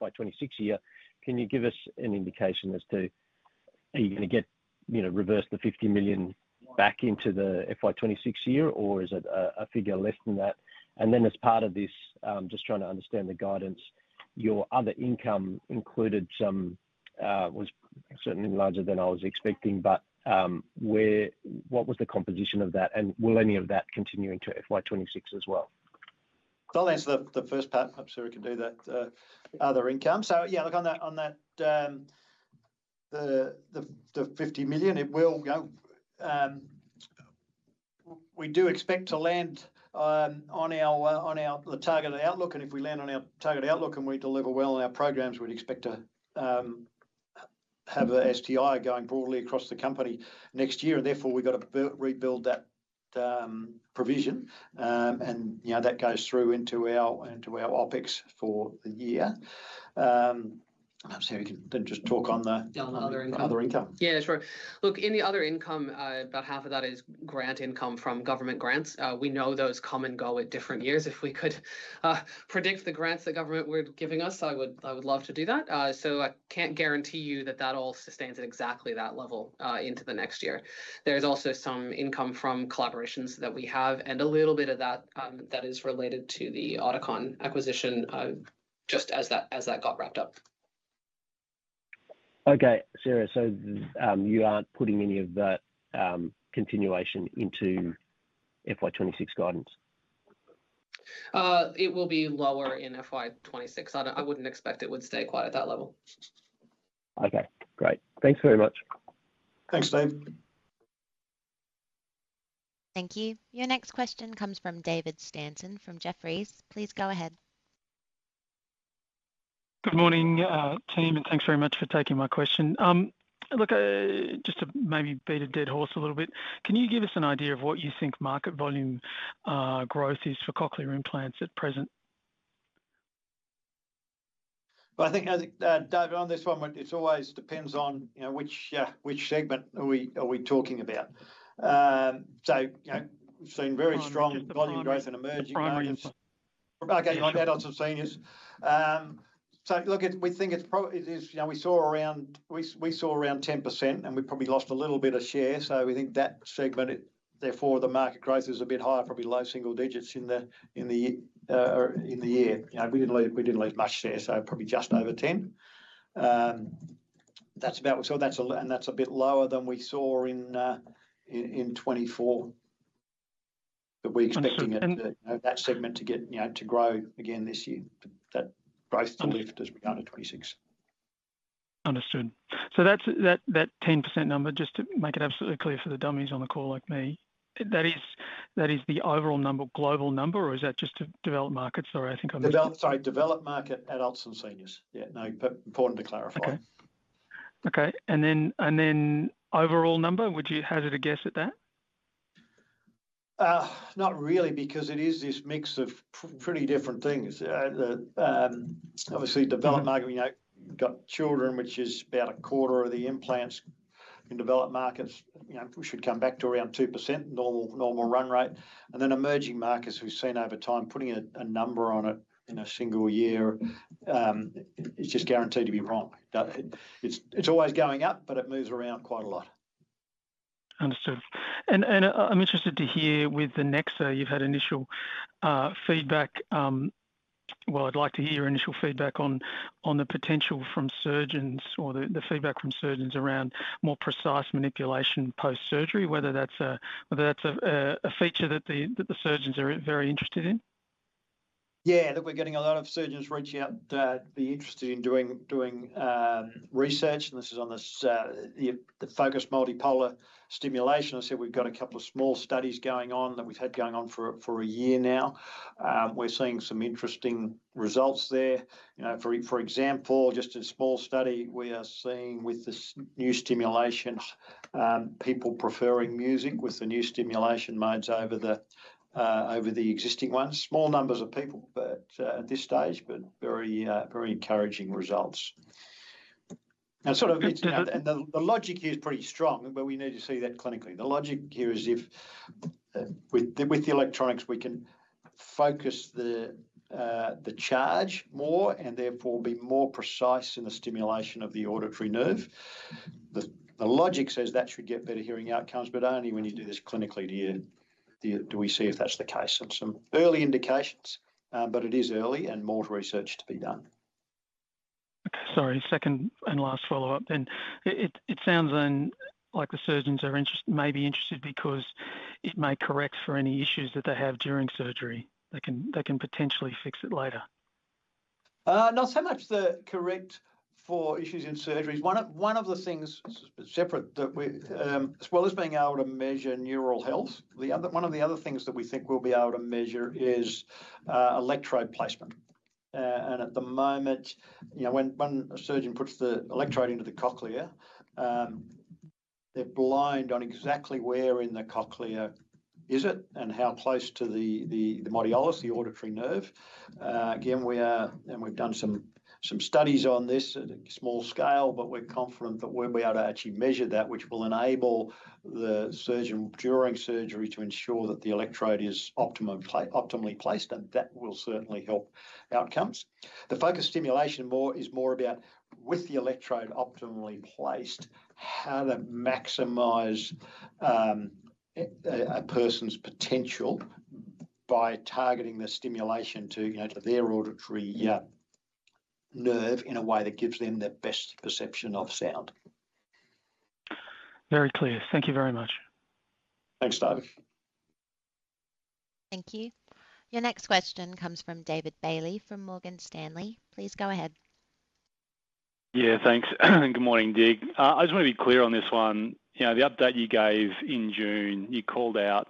FY2026 year. Can you give us an indication as to are you going to reverse the $50 million back into the FY2026 year, or is it a figure less than that? As part of this, just trying to understand the guidance, your other income included some that was certainly larger than I was expecting. What was the composition of that, and will any of that continue into FY2026 as well?
I'll answer the first part. I'm sure I could do that. Other income. On that, the $50 million, we do expect to land on our targeted outlook. If we land on our targeted outlook and we deliver well on our programs, we'd expect to have the STI going broadly across the company next year. Therefore, we've got to rebuild that provision, and you know that goes through into our OpEx for the year. I'm sorry, you can then just talk on the other income.
Yeah, sure. Look, in the other income, about half of that is grant income from government grants. We know those come and go at different years. If we could predict the grants that government were giving us, I would love to do that. I can't guarantee you that that all sustains at exactly that level into the next year. There's also some income from collaborations that we have and a little bit of that that is related to the Oticon Medical acquisition just as that got wrapped up.
Okay, Sarah, so you aren't putting any of that continuation into FY2026 guidance?
It will be lower in FY2026. I wouldn't expect it would stay quite at that level.
Okay, great. Thanks very much.
Thanks, Dave.
Thank you. Your next question comes from David Stanton from Jefferies. Please go ahead.
Good morning, team, and thanks very much for taking my question. Just to maybe beat a dead horse a little bit, can you give us an idea of what you think market volume growth is for Cochlear implants at present?
I think, David, on this one, it always depends on which segment are we talking about. You know we've seen very strong volume growth in emerging markets.
I'm sorry.
Okay, my dad also seniors. We think it's probably this, you know we saw around, we saw around 10% and we probably lost a little bit of share. We think that segment, therefore, the market growth is a bit higher, probably low single digits in the year. You know we didn't lose much share, so probably just over 10%. That's about what we saw. That's a bit lower than we saw in 2024. We're expecting that segment to get, you know, to grow again this year. That growth to lift as we go into 2026.
Understood. That 10% number, just to make it absolutely clear for the dummies on the call like me, is the overall number, global number, or is that just to developed markets? Sorry, I think I'm missing.
Developed market, adults and seniors. Yeah, important to clarify.
Okay. Okay. Overall number, would you hazard a guess at that?
Not really, because it is this mix of pretty different things. Obviously, developed market, we've got children, which is about a quarter of the implants in developed markets. We should come back to around 2%, normal run rate. In emerging markets, we've seen over time putting a number on it in a single year, it's just guaranteed to be wrong. It's always going up, but it moves around quite a lot.
I'm interested to hear with the Nexa, you've had initial feedback. I'd like to hear your initial feedback on the potential from surgeons or the feedback from surgeons around more precise manipulation post-surgery, whether that's a feature that the surgeons are very interested in.
Yeah, look, we're getting a lot of surgeons reaching out to be interested in doing research. This is on the focused multipolar stimulation. We've got a couple of small studies going on that we've had going on for a year now. We're seeing some interesting results there. For example, just a small study, we are seeing with the new stimulations, people preferring music with the new stimulation modes over the existing ones. Small numbers of people at this stage, but very, very encouraging results. The logic here is pretty strong, but we need to see that clinically. The logic here is if with the electronics, we can focus the charge more and therefore be more precise in the stimulation of the auditory nerve. The logic says that should get better hearing outcomes, but only when you do this clinically do we see if that's the case. Some early indications, but it is early and more research to be done.
Sorry, second and last follow-up. It sounds like the surgeons are interested, maybe interested because it may correct for any issues that they have during surgery. They can potentially fix it later.
Not so much the correct for issues in surgeries. One of the things separate that we, as well as being able to measure neural health, one of the other things that we think we'll be able to measure is electrode placement. At the moment, you know, when a surgeon puts the electrode into the cochlea, they're blind on exactly where in the cochlea is it and how close to the modulus, the auditory nerve. We are, and we've done some studies on this at a small scale, but we're confident that we'll be able to actually measure that, which will enable the surgeon during surgery to ensure that the electrode is optimally placed, and that will certainly help outcomes. The focused stimulation is more about, with the electrode optimally placed, how to maximize a person's potential by targeting the stimulation to their auditory nerve in a way that gives them that best perception of sound.
Very clear. Thank you very much.
Thanks, David.
Thank you. Your next question comes from David Bailey from Morgan Stanley. Please go ahead.
Yeah, thanks. Good morning, Dig. I just want to be clear on this one. You know, the update you gave in June, you called out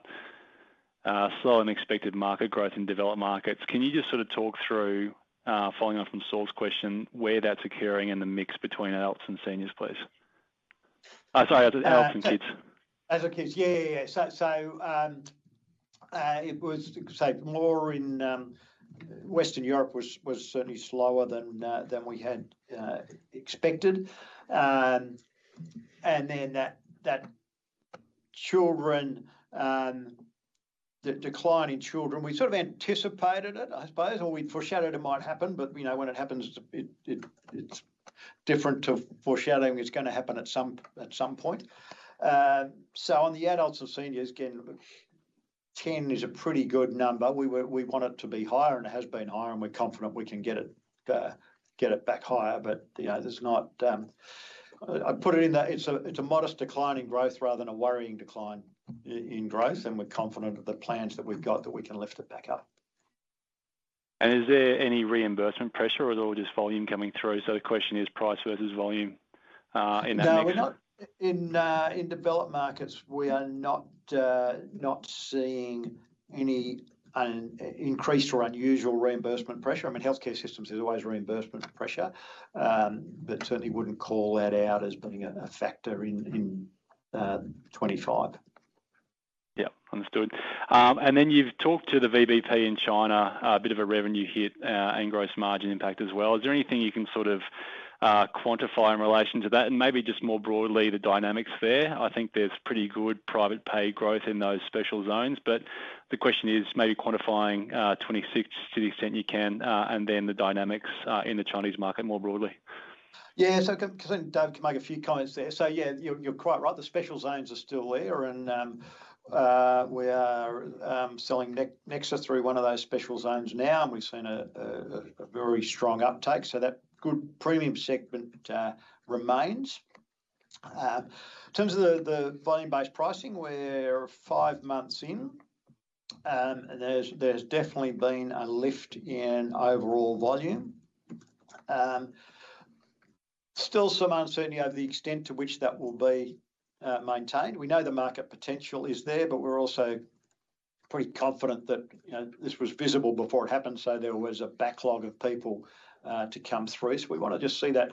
slow and expected market growth in developed markets. Can you just sort of talk through, following on from Saul's question, where that's occurring and the mix between adults and seniors, please? Sorry, adults and kids.
As kids, yeah, yeah, yeah. It was more in Western Europe, which was certainly slower than we had expected. The decline in children, we sort of anticipated it, I suppose, or we'd foreshadowed it might happen, but you know when it happens, it's different to foreshadowing it's going to happen at some point. On the adults and seniors, again, 10% is a pretty good number. We want it to be higher and it has been higher, and we're confident we can get it back higher. There's not, I put it in that it's a modest decline in growth rather than a worrying decline in growth, and we're confident of the plans that we've got that we can lift it back up.
Is there any reimbursement pressure, or is it all just volume coming through? The question is price versus volume in that.
No, we're not in developed markets. We are not seeing any increased or unusual reimbursement pressure. I mean, healthcare systems is always reimbursement for pressure, but certainly wouldn't call that out as being a factor in 2025.
Yeah, understood. You've talked to the VBP in China, a bit of a revenue hit and gross margin impact as well. Is there anything you can sort of quantify in relation to that? Maybe just more broadly, the dynamics there? I think there's pretty good private pay growth in those special zones, but the question is maybe quantifying 2026 to the extent you can, and then the dynamics in the Chinese market more broadly.
I think David can make a few comments there. You're quite right. The special zones are still there, and we are selling Nexa through one of those special zones now, and we've seen a very strong uptake. That good premium segment remains. In terms of the volume-based pricing, we're five months in, and there's definitely been a lift in overall volume. Still some uncertainty over the extent to which that will be maintained. We know the market potential is there, but we're also pretty confident that this was visible before it happened. There was a backlog of people to come through. We want to just see that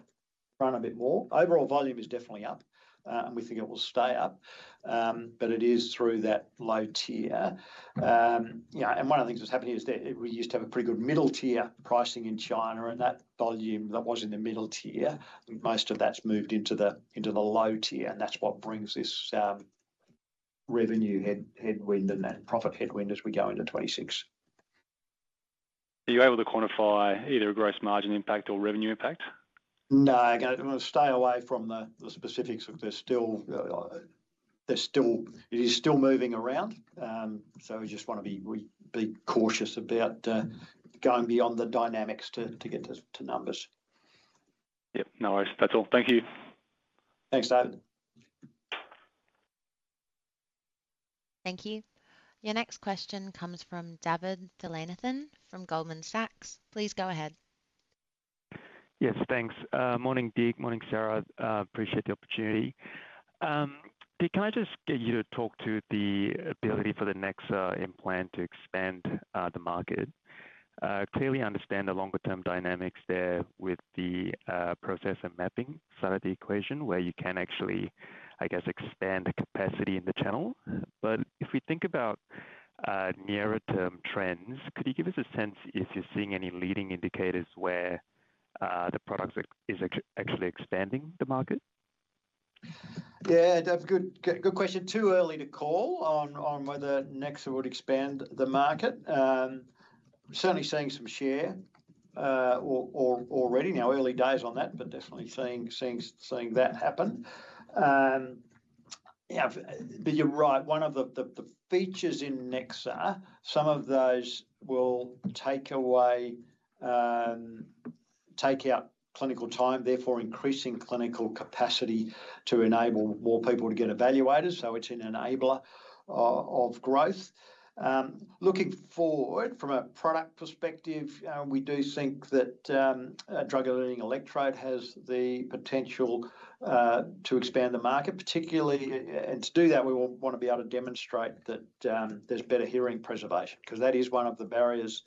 run a bit more. Overall volume is definitely up, and we think it will stay up, but it is through that low tier. One of the things that's happened is that we used to have a pretty good middle tier pricing in China, and that volume that was in the middle tier, most of that's moved into the low tier, and that's what brings this revenue headwind and that profit headwind as we go into 2026.
Are you able to quantify either a gross margin impact or revenue impact?
No, I'm going to stay away from the specifics because it's still moving around. We just want to be cautious about going beyond the dynamics to get to numbers.
Yep, no worries. That's all. Thank you.
Thanks, David.
Thank you. Your next question comes from Davinthra Thillainathan from Goldman Sachs. Please go ahead.
Yes, thanks. Morning, Dig. Morning, Sarah. Appreciate the opportunity. Dig, can I just get you to talk to the ability for the Nexa implant to expand the market? Clearly, I understand the longer-term dynamics there with the processor mapping side of the equation where you can actually, I guess, expand capacity in the channel. If we think about nearer-term trends, could you give us a sense if you're seeing any leading indicators where the product is actually expanding the market?
Yeah, that's a good question. Too early to call on whether Nexa would expand the market. I'm certainly seeing some share already now, early days on that, but definitely seeing that happen. You're right. One of the features in Nexa, some of those will take away, take out clinical time, therefore increasing clinical capacity to enable more people to get evaluated. It's an enabler of growth. Looking forward from a product perspective, we do think that a drug-eluting electrode has the potential to expand the market, particularly. To do that, we will want to be able to demonstrate that there's better hearing preservation because that is one of the barriers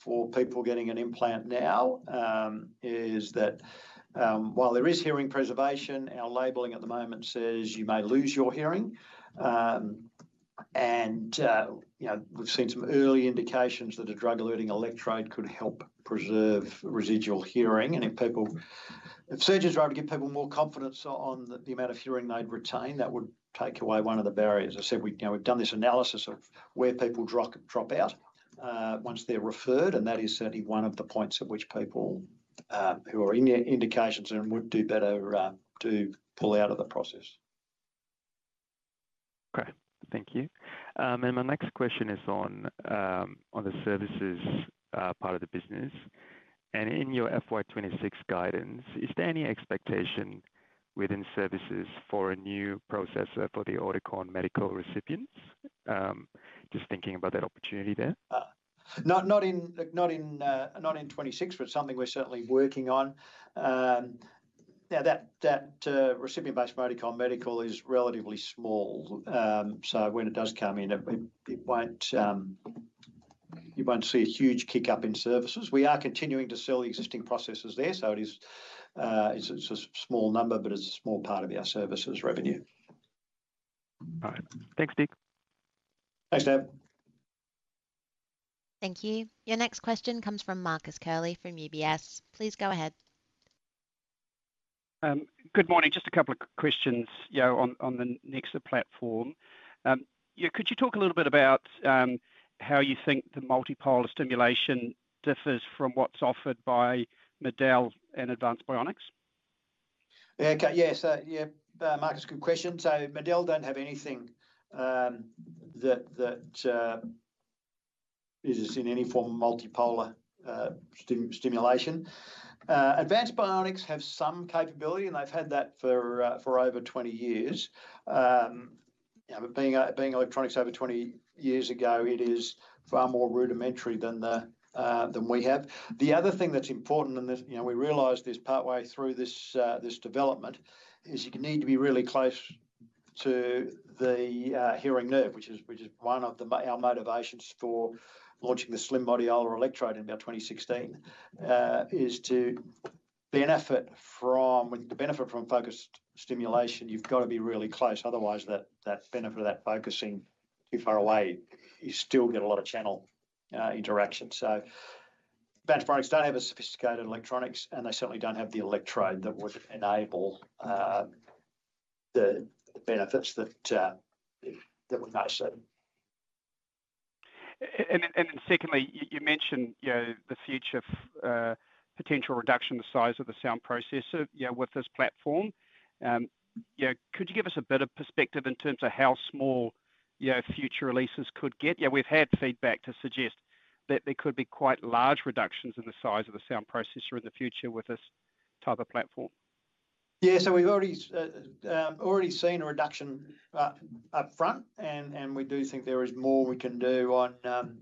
for people getting an implant now is that while there is hearing preservation, our labeling at the moment says you may lose your hearing. We've seen some early indications that a drug-eluting electrode could help preserve residual hearing. If surgeons were able to give people more confidence on the amount of hearing they'd retain, that would take away one of the barriers. I said we've done this analysis of where people drop out once they're referred, and that is certainly one of the points at which people who are in the indications and would do better to pull out of the process.
Okay, thank you. My next question is on the services part of the business. In your FY2026 guidance, is there any expectation within services for a new processor for the Oticon Medical recipients? Just thinking about that opportunity there.
Not in 2026, but something we're certainly working on. Now, that recipient base from Oticon Medical is relatively small. When it does come in, you won't see a huge kick-up in services. We are continuing to sell the existing processors there. It's a small number, but it's a small part of our services revenue.
All right. Thanks, Dig.
Thanks, David.
Thank you. Your next question comes from Marcus Curley from UBS. Please go ahead.
Good morning. Just a couple of questions on the Nexa system. Could you talk a little bit about how you think the multipolar stimulation differs from what's offered by MED-EL and Advanced Bionics?
Yeah, yeah. Marcus, good question. Medel don't have anything that is in any form of multipolar stimulation. Advanced Bionics have some capability, and they've had that for over 20 years. Being electronics over 20 years ago, it is far more rudimentary than we have. The other thing that's important, and we realized this partway through this development, is you need to be really close to the hearing nerve, which is one of our motivations for launching the slim body electrode in about 2016, to benefit from focused stimulation. You've got to be really close. Otherwise, that benefit of that focusing too far away, you still get a lot of channel interaction. Advanced Bionics don't have sophisticated electronics, and they certainly don't have the electrode that would enable the benefits that we've noticed.
Secondly, you mentioned the future potential reduction in the size of the sound processor with this platform. Could you give us a bit of perspective in terms of how small future releases could get? We've had feedback to suggest that there could be quite large reductions in the size of the sound processor in the future with this type of platform.
We've already seen a reduction upfront, and we do think there is more we can do on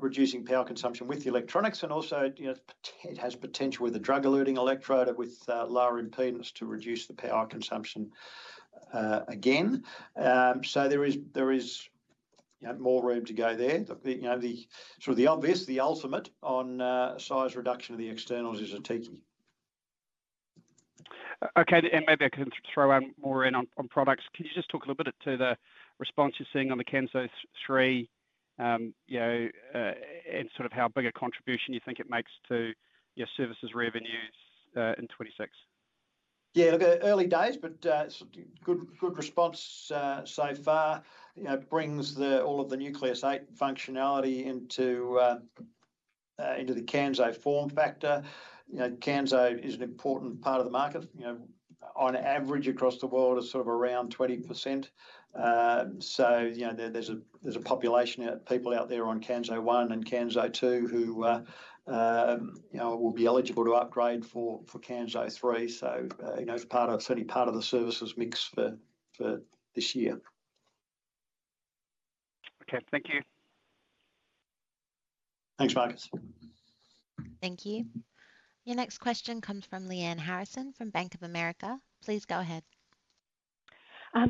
reducing power consumption with the electronics. It has potential with a drug-eluting electrode with lower impedance to reduce the power consumption again. There is more room to go there. The sort of the obvious, the ultimate on size reduction of the externals is a ticky.
Maybe I can throw more in on products. Can you just talk a little bit to the response you're seeing on the Kanso 3 and sort of how big a contribution you think it makes to your services revenue in 2026?
Early days, but good response so far. It brings all of the Nucleus 8 functionality into the Kanso form factor. Kanso is an important part of the market. On average across the world, it's sort of around 20%. There's a population of people out there on Kanso 1 and Kanso 2 who will be eligible to upgrade for Kanso 3. It's certainly part of the services mix for this year.
Okay, thank you.
Thanks, Marcus.
Thank you. Your next question comes from Lyanne Harrison from Bank of America. Please go ahead.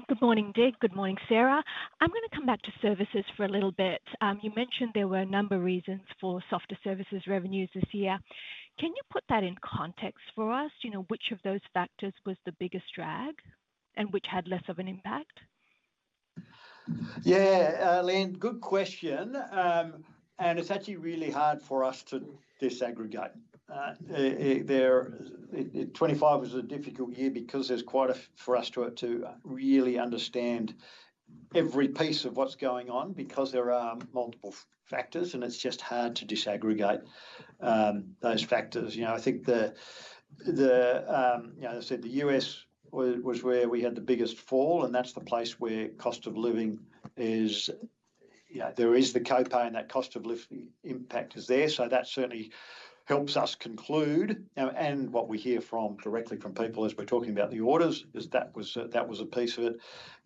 Good morning, Dig. Good morning, Sarah. I'm going to come back to services for a little bit. You mentioned there were a number of reasons for softer services revenues this year. Can you put that in context for us? You know, which of those factors was the biggest drag and which had less of an impact?
Yeah, Lyanne, good question. It's actually really hard for us to disaggregate. 2025 was a difficult year because it's quite hard for us to really understand every piece of what's going on because there are multiple factors, and it's just hard to disaggregate those factors. I think, as I said, the U.S. was where we had the biggest fall, and that's the place where cost of living is, you know, there is the copay and that cost of living impact is there. That certainly helps us conclude. What we hear directly from people as we're talking about the audits is that was a piece of it.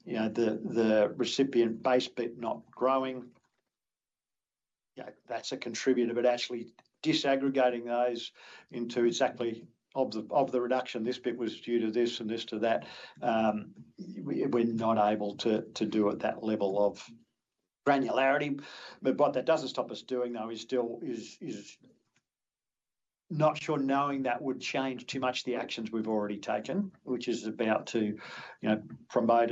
The recipient base bit not growing, that's a contributor, but actually disaggregating those into exactly of the reduction, this bit was due to this and this to that, we're not able to do at that level of granularity. What that doesn't stop us doing, though, is still not sure knowing that would change too much the actions we've already taken, which is about to promote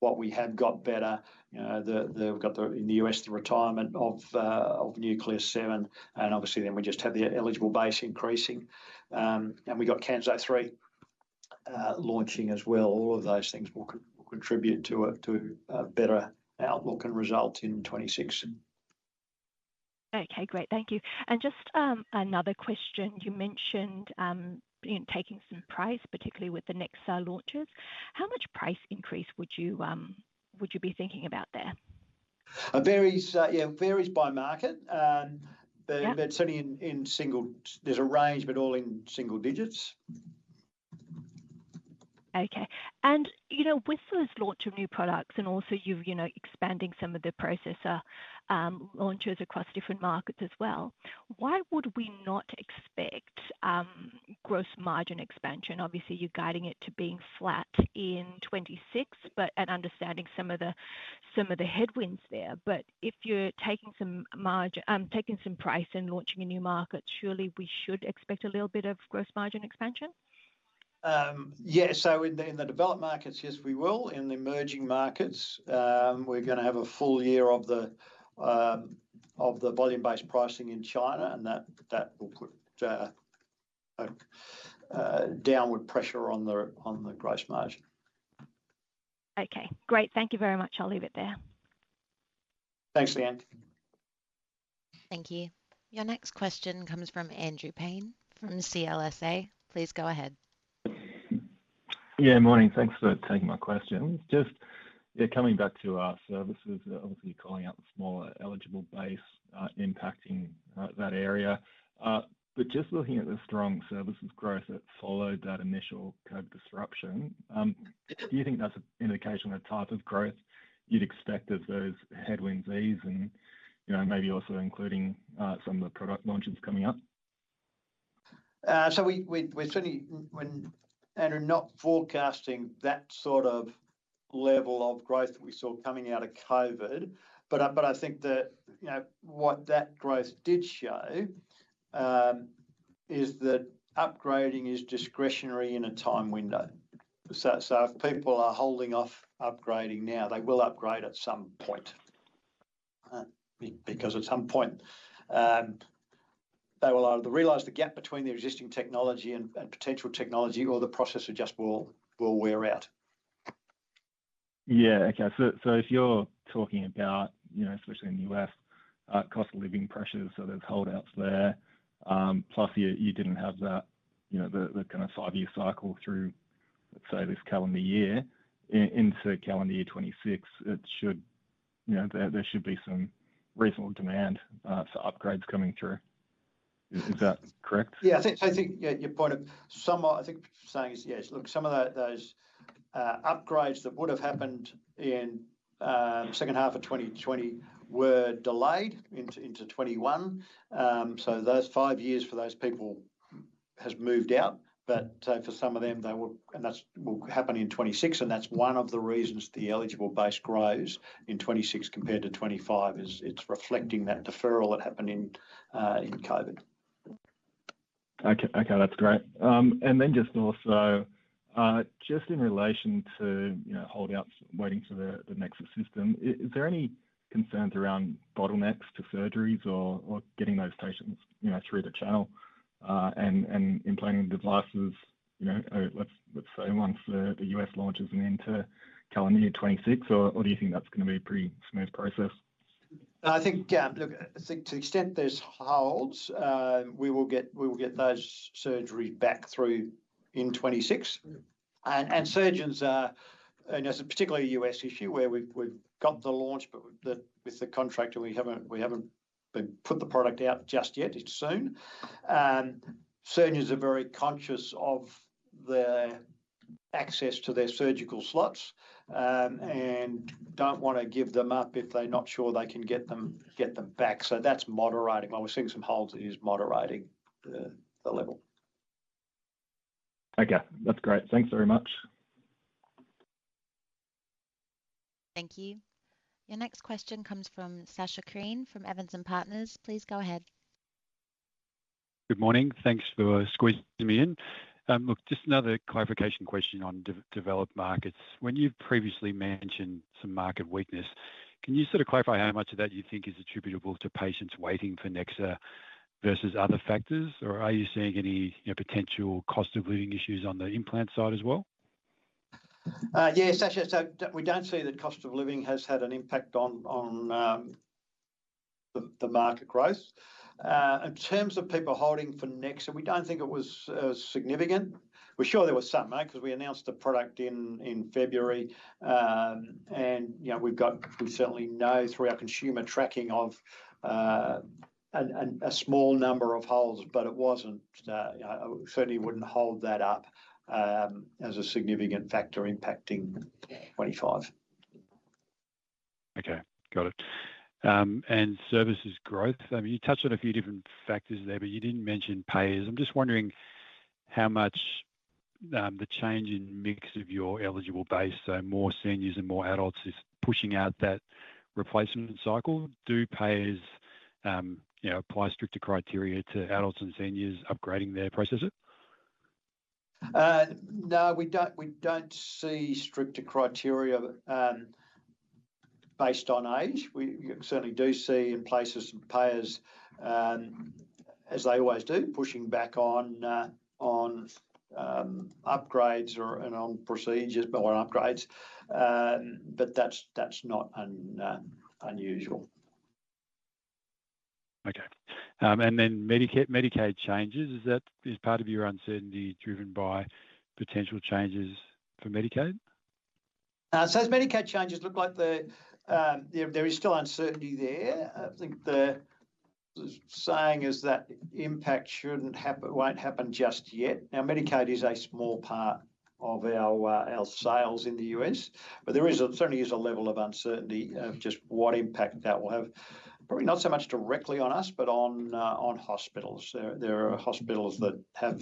what we have got better. We've got in the U.S. the retirement of Nucleus 7, and obviously then we just have the eligible base increasing. We've got Kanso 3 launching as well. All of those things will contribute to a better outlook and result in 2026.
Okay, great. Thank you. Just another question. You mentioned taking some price, particularly with the Nexa launches. How much price increase would you be thinking about there?
It varies by market, but certainly in single, there's a range, but all in single digits.
Okay. With those launch of new products and also you expanding some of the processor launches across different markets as well, why would we not expect gross margin expansion? Obviously, you're guiding it to being flat in 2026, and understanding some of the headwinds there. If you're taking some price and launching in new markets, surely we should expect a little bit of gross margin expansion?
Yeah, in the developed markets, yes, we will. In the emerging markets, we're going to have a full year of the volume-based pricing in China, and that will put downward pressure on the gross margin.
Okay, great. Thank you very much. I'll leave it there.
Thanks, Lyanne.
Thank you. Your next question comes from Andrew Paine from CLSA. Please go ahead.
Yeah, morning. Thanks for taking my question. Just coming back to our services, obviously calling out the smaller eligible base impacting that area. Just looking at the strong services growth that followed that initial COVID disruption, do you think that's an indication of a type of growth you'd expect as those headwinds ease and maybe also including some of the product launches coming up?
We are certainly, when Andrew, not forecasting that sort of level of growth that we saw coming out of COVID, but I think that what that growth did show is that upgrading is discretionary in a time window. If people are holding off upgrading now, they will upgrade at some point because at some point they will either realize the gap between the existing technology and potential technology, or the processor just will wear out.
Okay. If you're talking about, you know, especially in the U.S., cost of living pressures, there's holdouts there. Plus, you didn't have that, you know, the kind of five-year cycle through, let's say, this calendar year. Into calendar year 2026, it should, you know, there should be some reasonable demand for upgrades coming through. Is that correct?
I think your point is, yes, look, some of those upgrades that would have happened in the second half of 2020 were delayed into 2021. Those five years for those people have moved out. For some of them, they will, and that will happen in 2026. That's one of the reasons the eligible base grows in 2026 compared to 2025, as it's reflecting that deferral that happened in COVID.
Okay, that's great. Also, just in relation to holdouts waiting for the Nexa system, is there any concerns around bottlenecks to surgeries or getting those patients through the channel and implanting devices, let's say amongst the U.S. launches and into calendar year 2026? Do you think that's going to be a pretty smooth process?
I think to the extent there's holds, we will get those surgeries back through in 2026. Surgeons are, and it's particularly a U.S. issue where we've got the launch, but with the contractor, we haven't put the product out just yet. It's soon. Surgeons are very conscious of their access to their surgical slots and don't want to give them up if they're not sure they can get them back. That's moderating. While we're seeing some holds, it is moderating the level.
Okay, that's great. Thanks very much.
Thank you. Your next question comes from Sacha Krien from Evans & Partners. Please go ahead.
Good morning. Thanks for squeezing me in. Just another clarification question on developed markets. When you've previously mentioned some market weakness, can you sort of clarify how much of that do you think is attributable to patients waiting for Nexa versus other factors? Are you seeing any, you know, potential cost of living issues on the implant side as well?
Yeah, we don't see that cost of living has had an impact on the market growth. In terms of people holding for Nexa, we don't think it was significant. We're sure there were some, right, because we announced the product in February. We certainly know through our consumer tracking of a small number of holds, but it wasn't, you know, certainly wouldn't hold that up as a significant factor impacting 2025.
Okay, got it. Services growth, you touched on a few different factors there, but you didn't mention payers. I'm just wondering how much the change in mix of your eligible base, so more seniors and more adults, is pushing out that replacement cycle. Do payers apply stricter criteria to adults and seniors upgrading their processor?
No, we don't see stricter criteria based on age. We certainly do see in places payers, as they always do, pushing back on upgrades or on procedures or on upgrades. That's not unusual.
Okay. Is that part of your uncertainty driven by potential changes for Medicaid?
As Medicaid changes, it looks like there is still uncertainty there. I think the saying is that impact won't happen just yet. Medicaid is a small part of our health sales in the U.S., but there certainly is a level of uncertainty of just what impact that will have. Probably not so much directly on us, but on hospitals. There are hospitals that have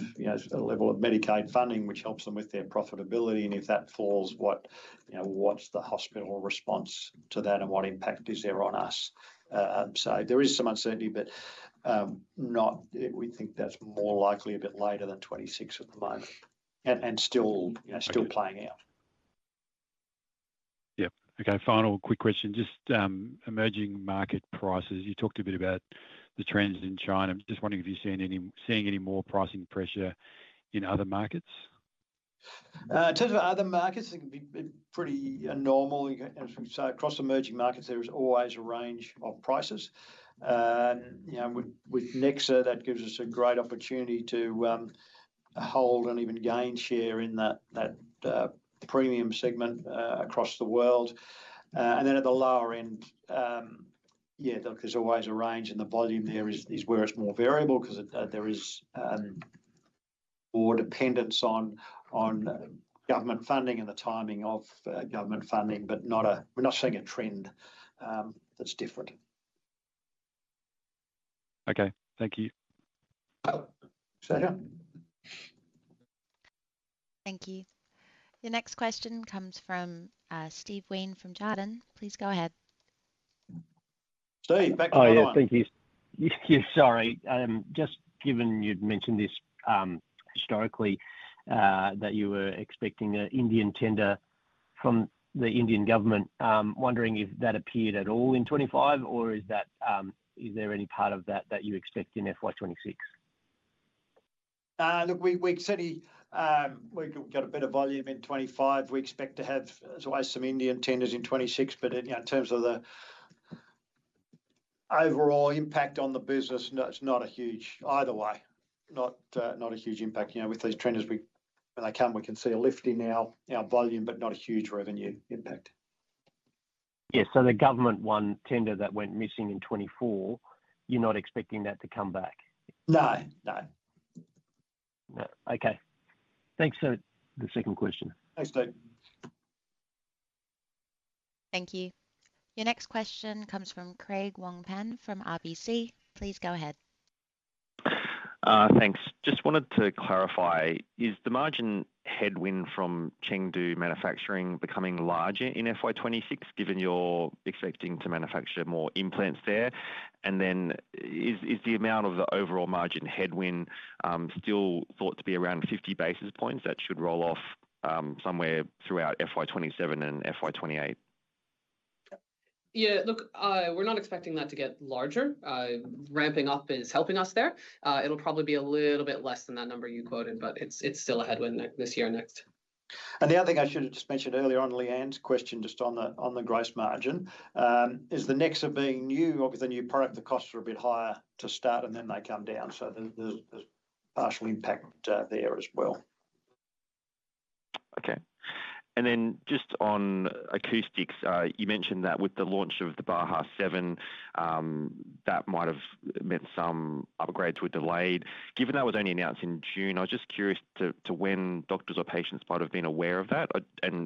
a level of Medicaid funding which helps them with their profitability. If that falls, what's the hospital response to that and what impact is there on us? There is some uncertainty, but we think that's more likely a bit later than 2026 at the moment. It's still playing out.
Yeah, okay. Final quick question, just emerging market prices. You talked a bit about the trends in China. I'm just wondering if you're seeing any more pricing pressure in other markets?
In terms of other markets, it can be pretty normal. Across emerging markets, there is always a range of prices. You know, with Nexa, that gives us a great opportunity to hold and even gain share in that premium segment across the world. At the lower end, yeah, there's always a range and the volume there is where it's more variable because there is more dependence on government funding and the timing of government funding, but we're not seeing a trend that's different.
Okay, thank you.
Sure.
Thank you. The next question comes from Steve Wheen from Jarden. Please go ahead.
Steve, back to you.
Thank you. Sorry. Just given you'd mentioned this historically, that you were expecting an Indian tender from the Indian government, wondering if that appeared at all in 2025, or is there any part of that that you expect in FY2026?
Look, we certainly, we've got a bit of volume in 2025. We expect to have some Indian tenders in 2026, but in terms of the overall impact on the business, it's not a huge either way. Not a huge impact. You know, with these tenders, when they come, we can see a lift in our volume, but not a huge revenue impact.
Yeah, so the government one tender that went missing in 2024, you're not expecting that to come back?
No, no.
Okay, thanks. The second question.
Thanks, Steve.
Thank you. Your next question comes from Craig Wong-Pan from RBC. Please go ahead.
Thanks. Just wanted to clarify, is the margin headwind from Chengdu manufacturing becoming larger in FY2026, given you're expecting to manufacture more implants there? Is the amount of the overall margin headwind still thought to be around 50 basis points that should roll off somewhere throughout FY2027 and FY2028?
Yeah, look, we're not expecting that to get larger. Ramping up is helping us there. It'll probably be a little bit less than that number you quoted, but it's still a headwind this year and next.
I should have just mentioned earlier on Lyanne's question, just on the gross margin, the Nexa being new, obviously a new product, the costs are a bit higher to start and then they come down. There's partial impact there as well.
Okay. On acoustics, you mentioned that with the launch of the Baha 7, that might have meant some upgrades were delayed. Given that was only announced in June, I was just curious when doctors or patients might have been aware of that.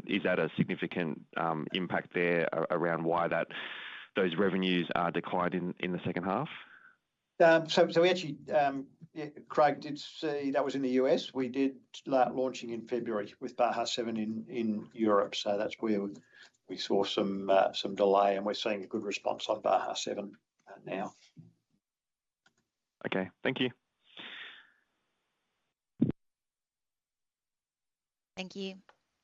Is that a significant impact there around why those revenues declined in the second half?
Craig did say that was in the U.S. We did launch in February with Baha 7 in Europe. That's where we saw some delay, and we're seeing a good response on Baha 7 now.
Okay, thank you.
Thank you.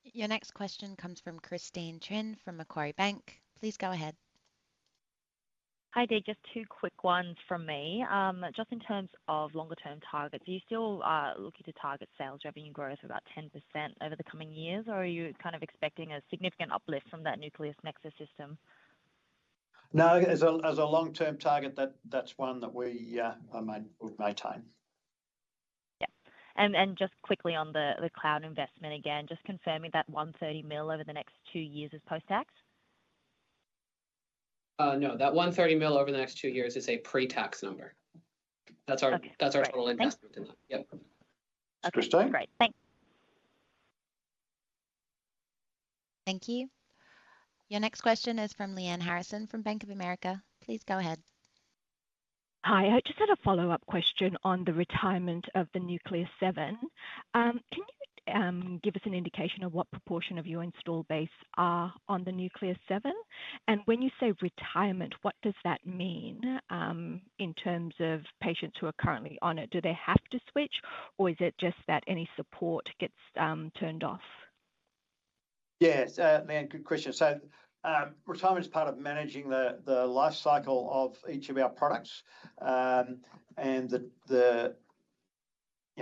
Your next question comes from Christine Trinh from Macquarie. Please go ahead.
Hi Dig, just two quick ones from me. Just in terms of longer-term targets, are you still looking to target sales revenue growth of about 10% over the coming years, or are you kind of expecting a significant uplift from that Nexa system?
No, as a long-term target, that's one that we would maintain.
Just quickly on the cloud investment again, just confirming that $130 million over the next two years is post-tax?
No, that $130 million over the next two years is a pre-tax number. That's our total investment in that.
Okay, great. Thanks.
Thank you. Your next question is from Lyanne Harrison from Bank of America. Please go ahead.
Hi, I just had a follow-up question on the retirement of the Nucleus 7. Can you give us an indication of what proportion of your install base are on the Nucleus 7? When you say retirement, what does that mean in terms of patients who are currently on it? Do they have to switch, or is it just that any support gets turned off?
Yeah, Leanne, good question. Retirement is part of managing the lifecycle of each of our products.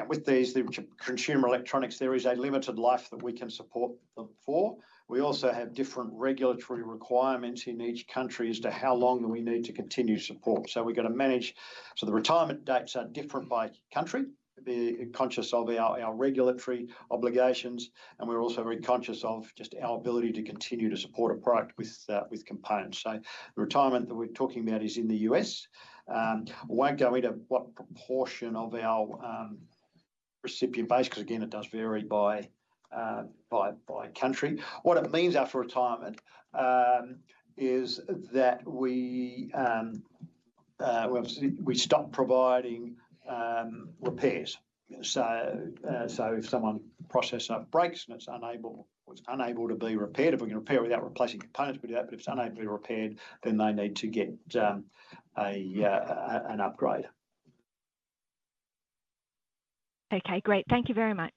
With these, the consumer electronics, there is a limited life that we can support them for. We also have different regulatory requirements in each country as to how long we need to continue support. We've got to manage. The retirement dates are different by country. Be conscious of our regulatory obligations. We're also very conscious of just our ability to continue to support a product with components. The retirement that we're talking about is in the U.S. We won't go into what proportion of our recipient base, because again, it does vary by country. What it means after retirement is that we stop providing repairs. If someone's processor breaks and it's unable to be repaired, if we can repair without replacing components, we do that. If it's unable to be repaired, then they need to get an upgrade.
Okay, great. Thank you very much.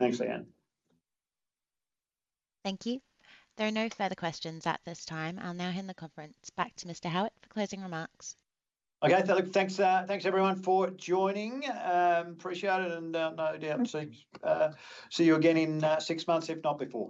Thanks, Lyanne.
Thank you. There are no further questions at this time. I'll now hand the conference back to Mr. Howitt for closing remarks.
Okay, thanks everyone for joining. Appreciate it and no doubt see you again in six months, if not before.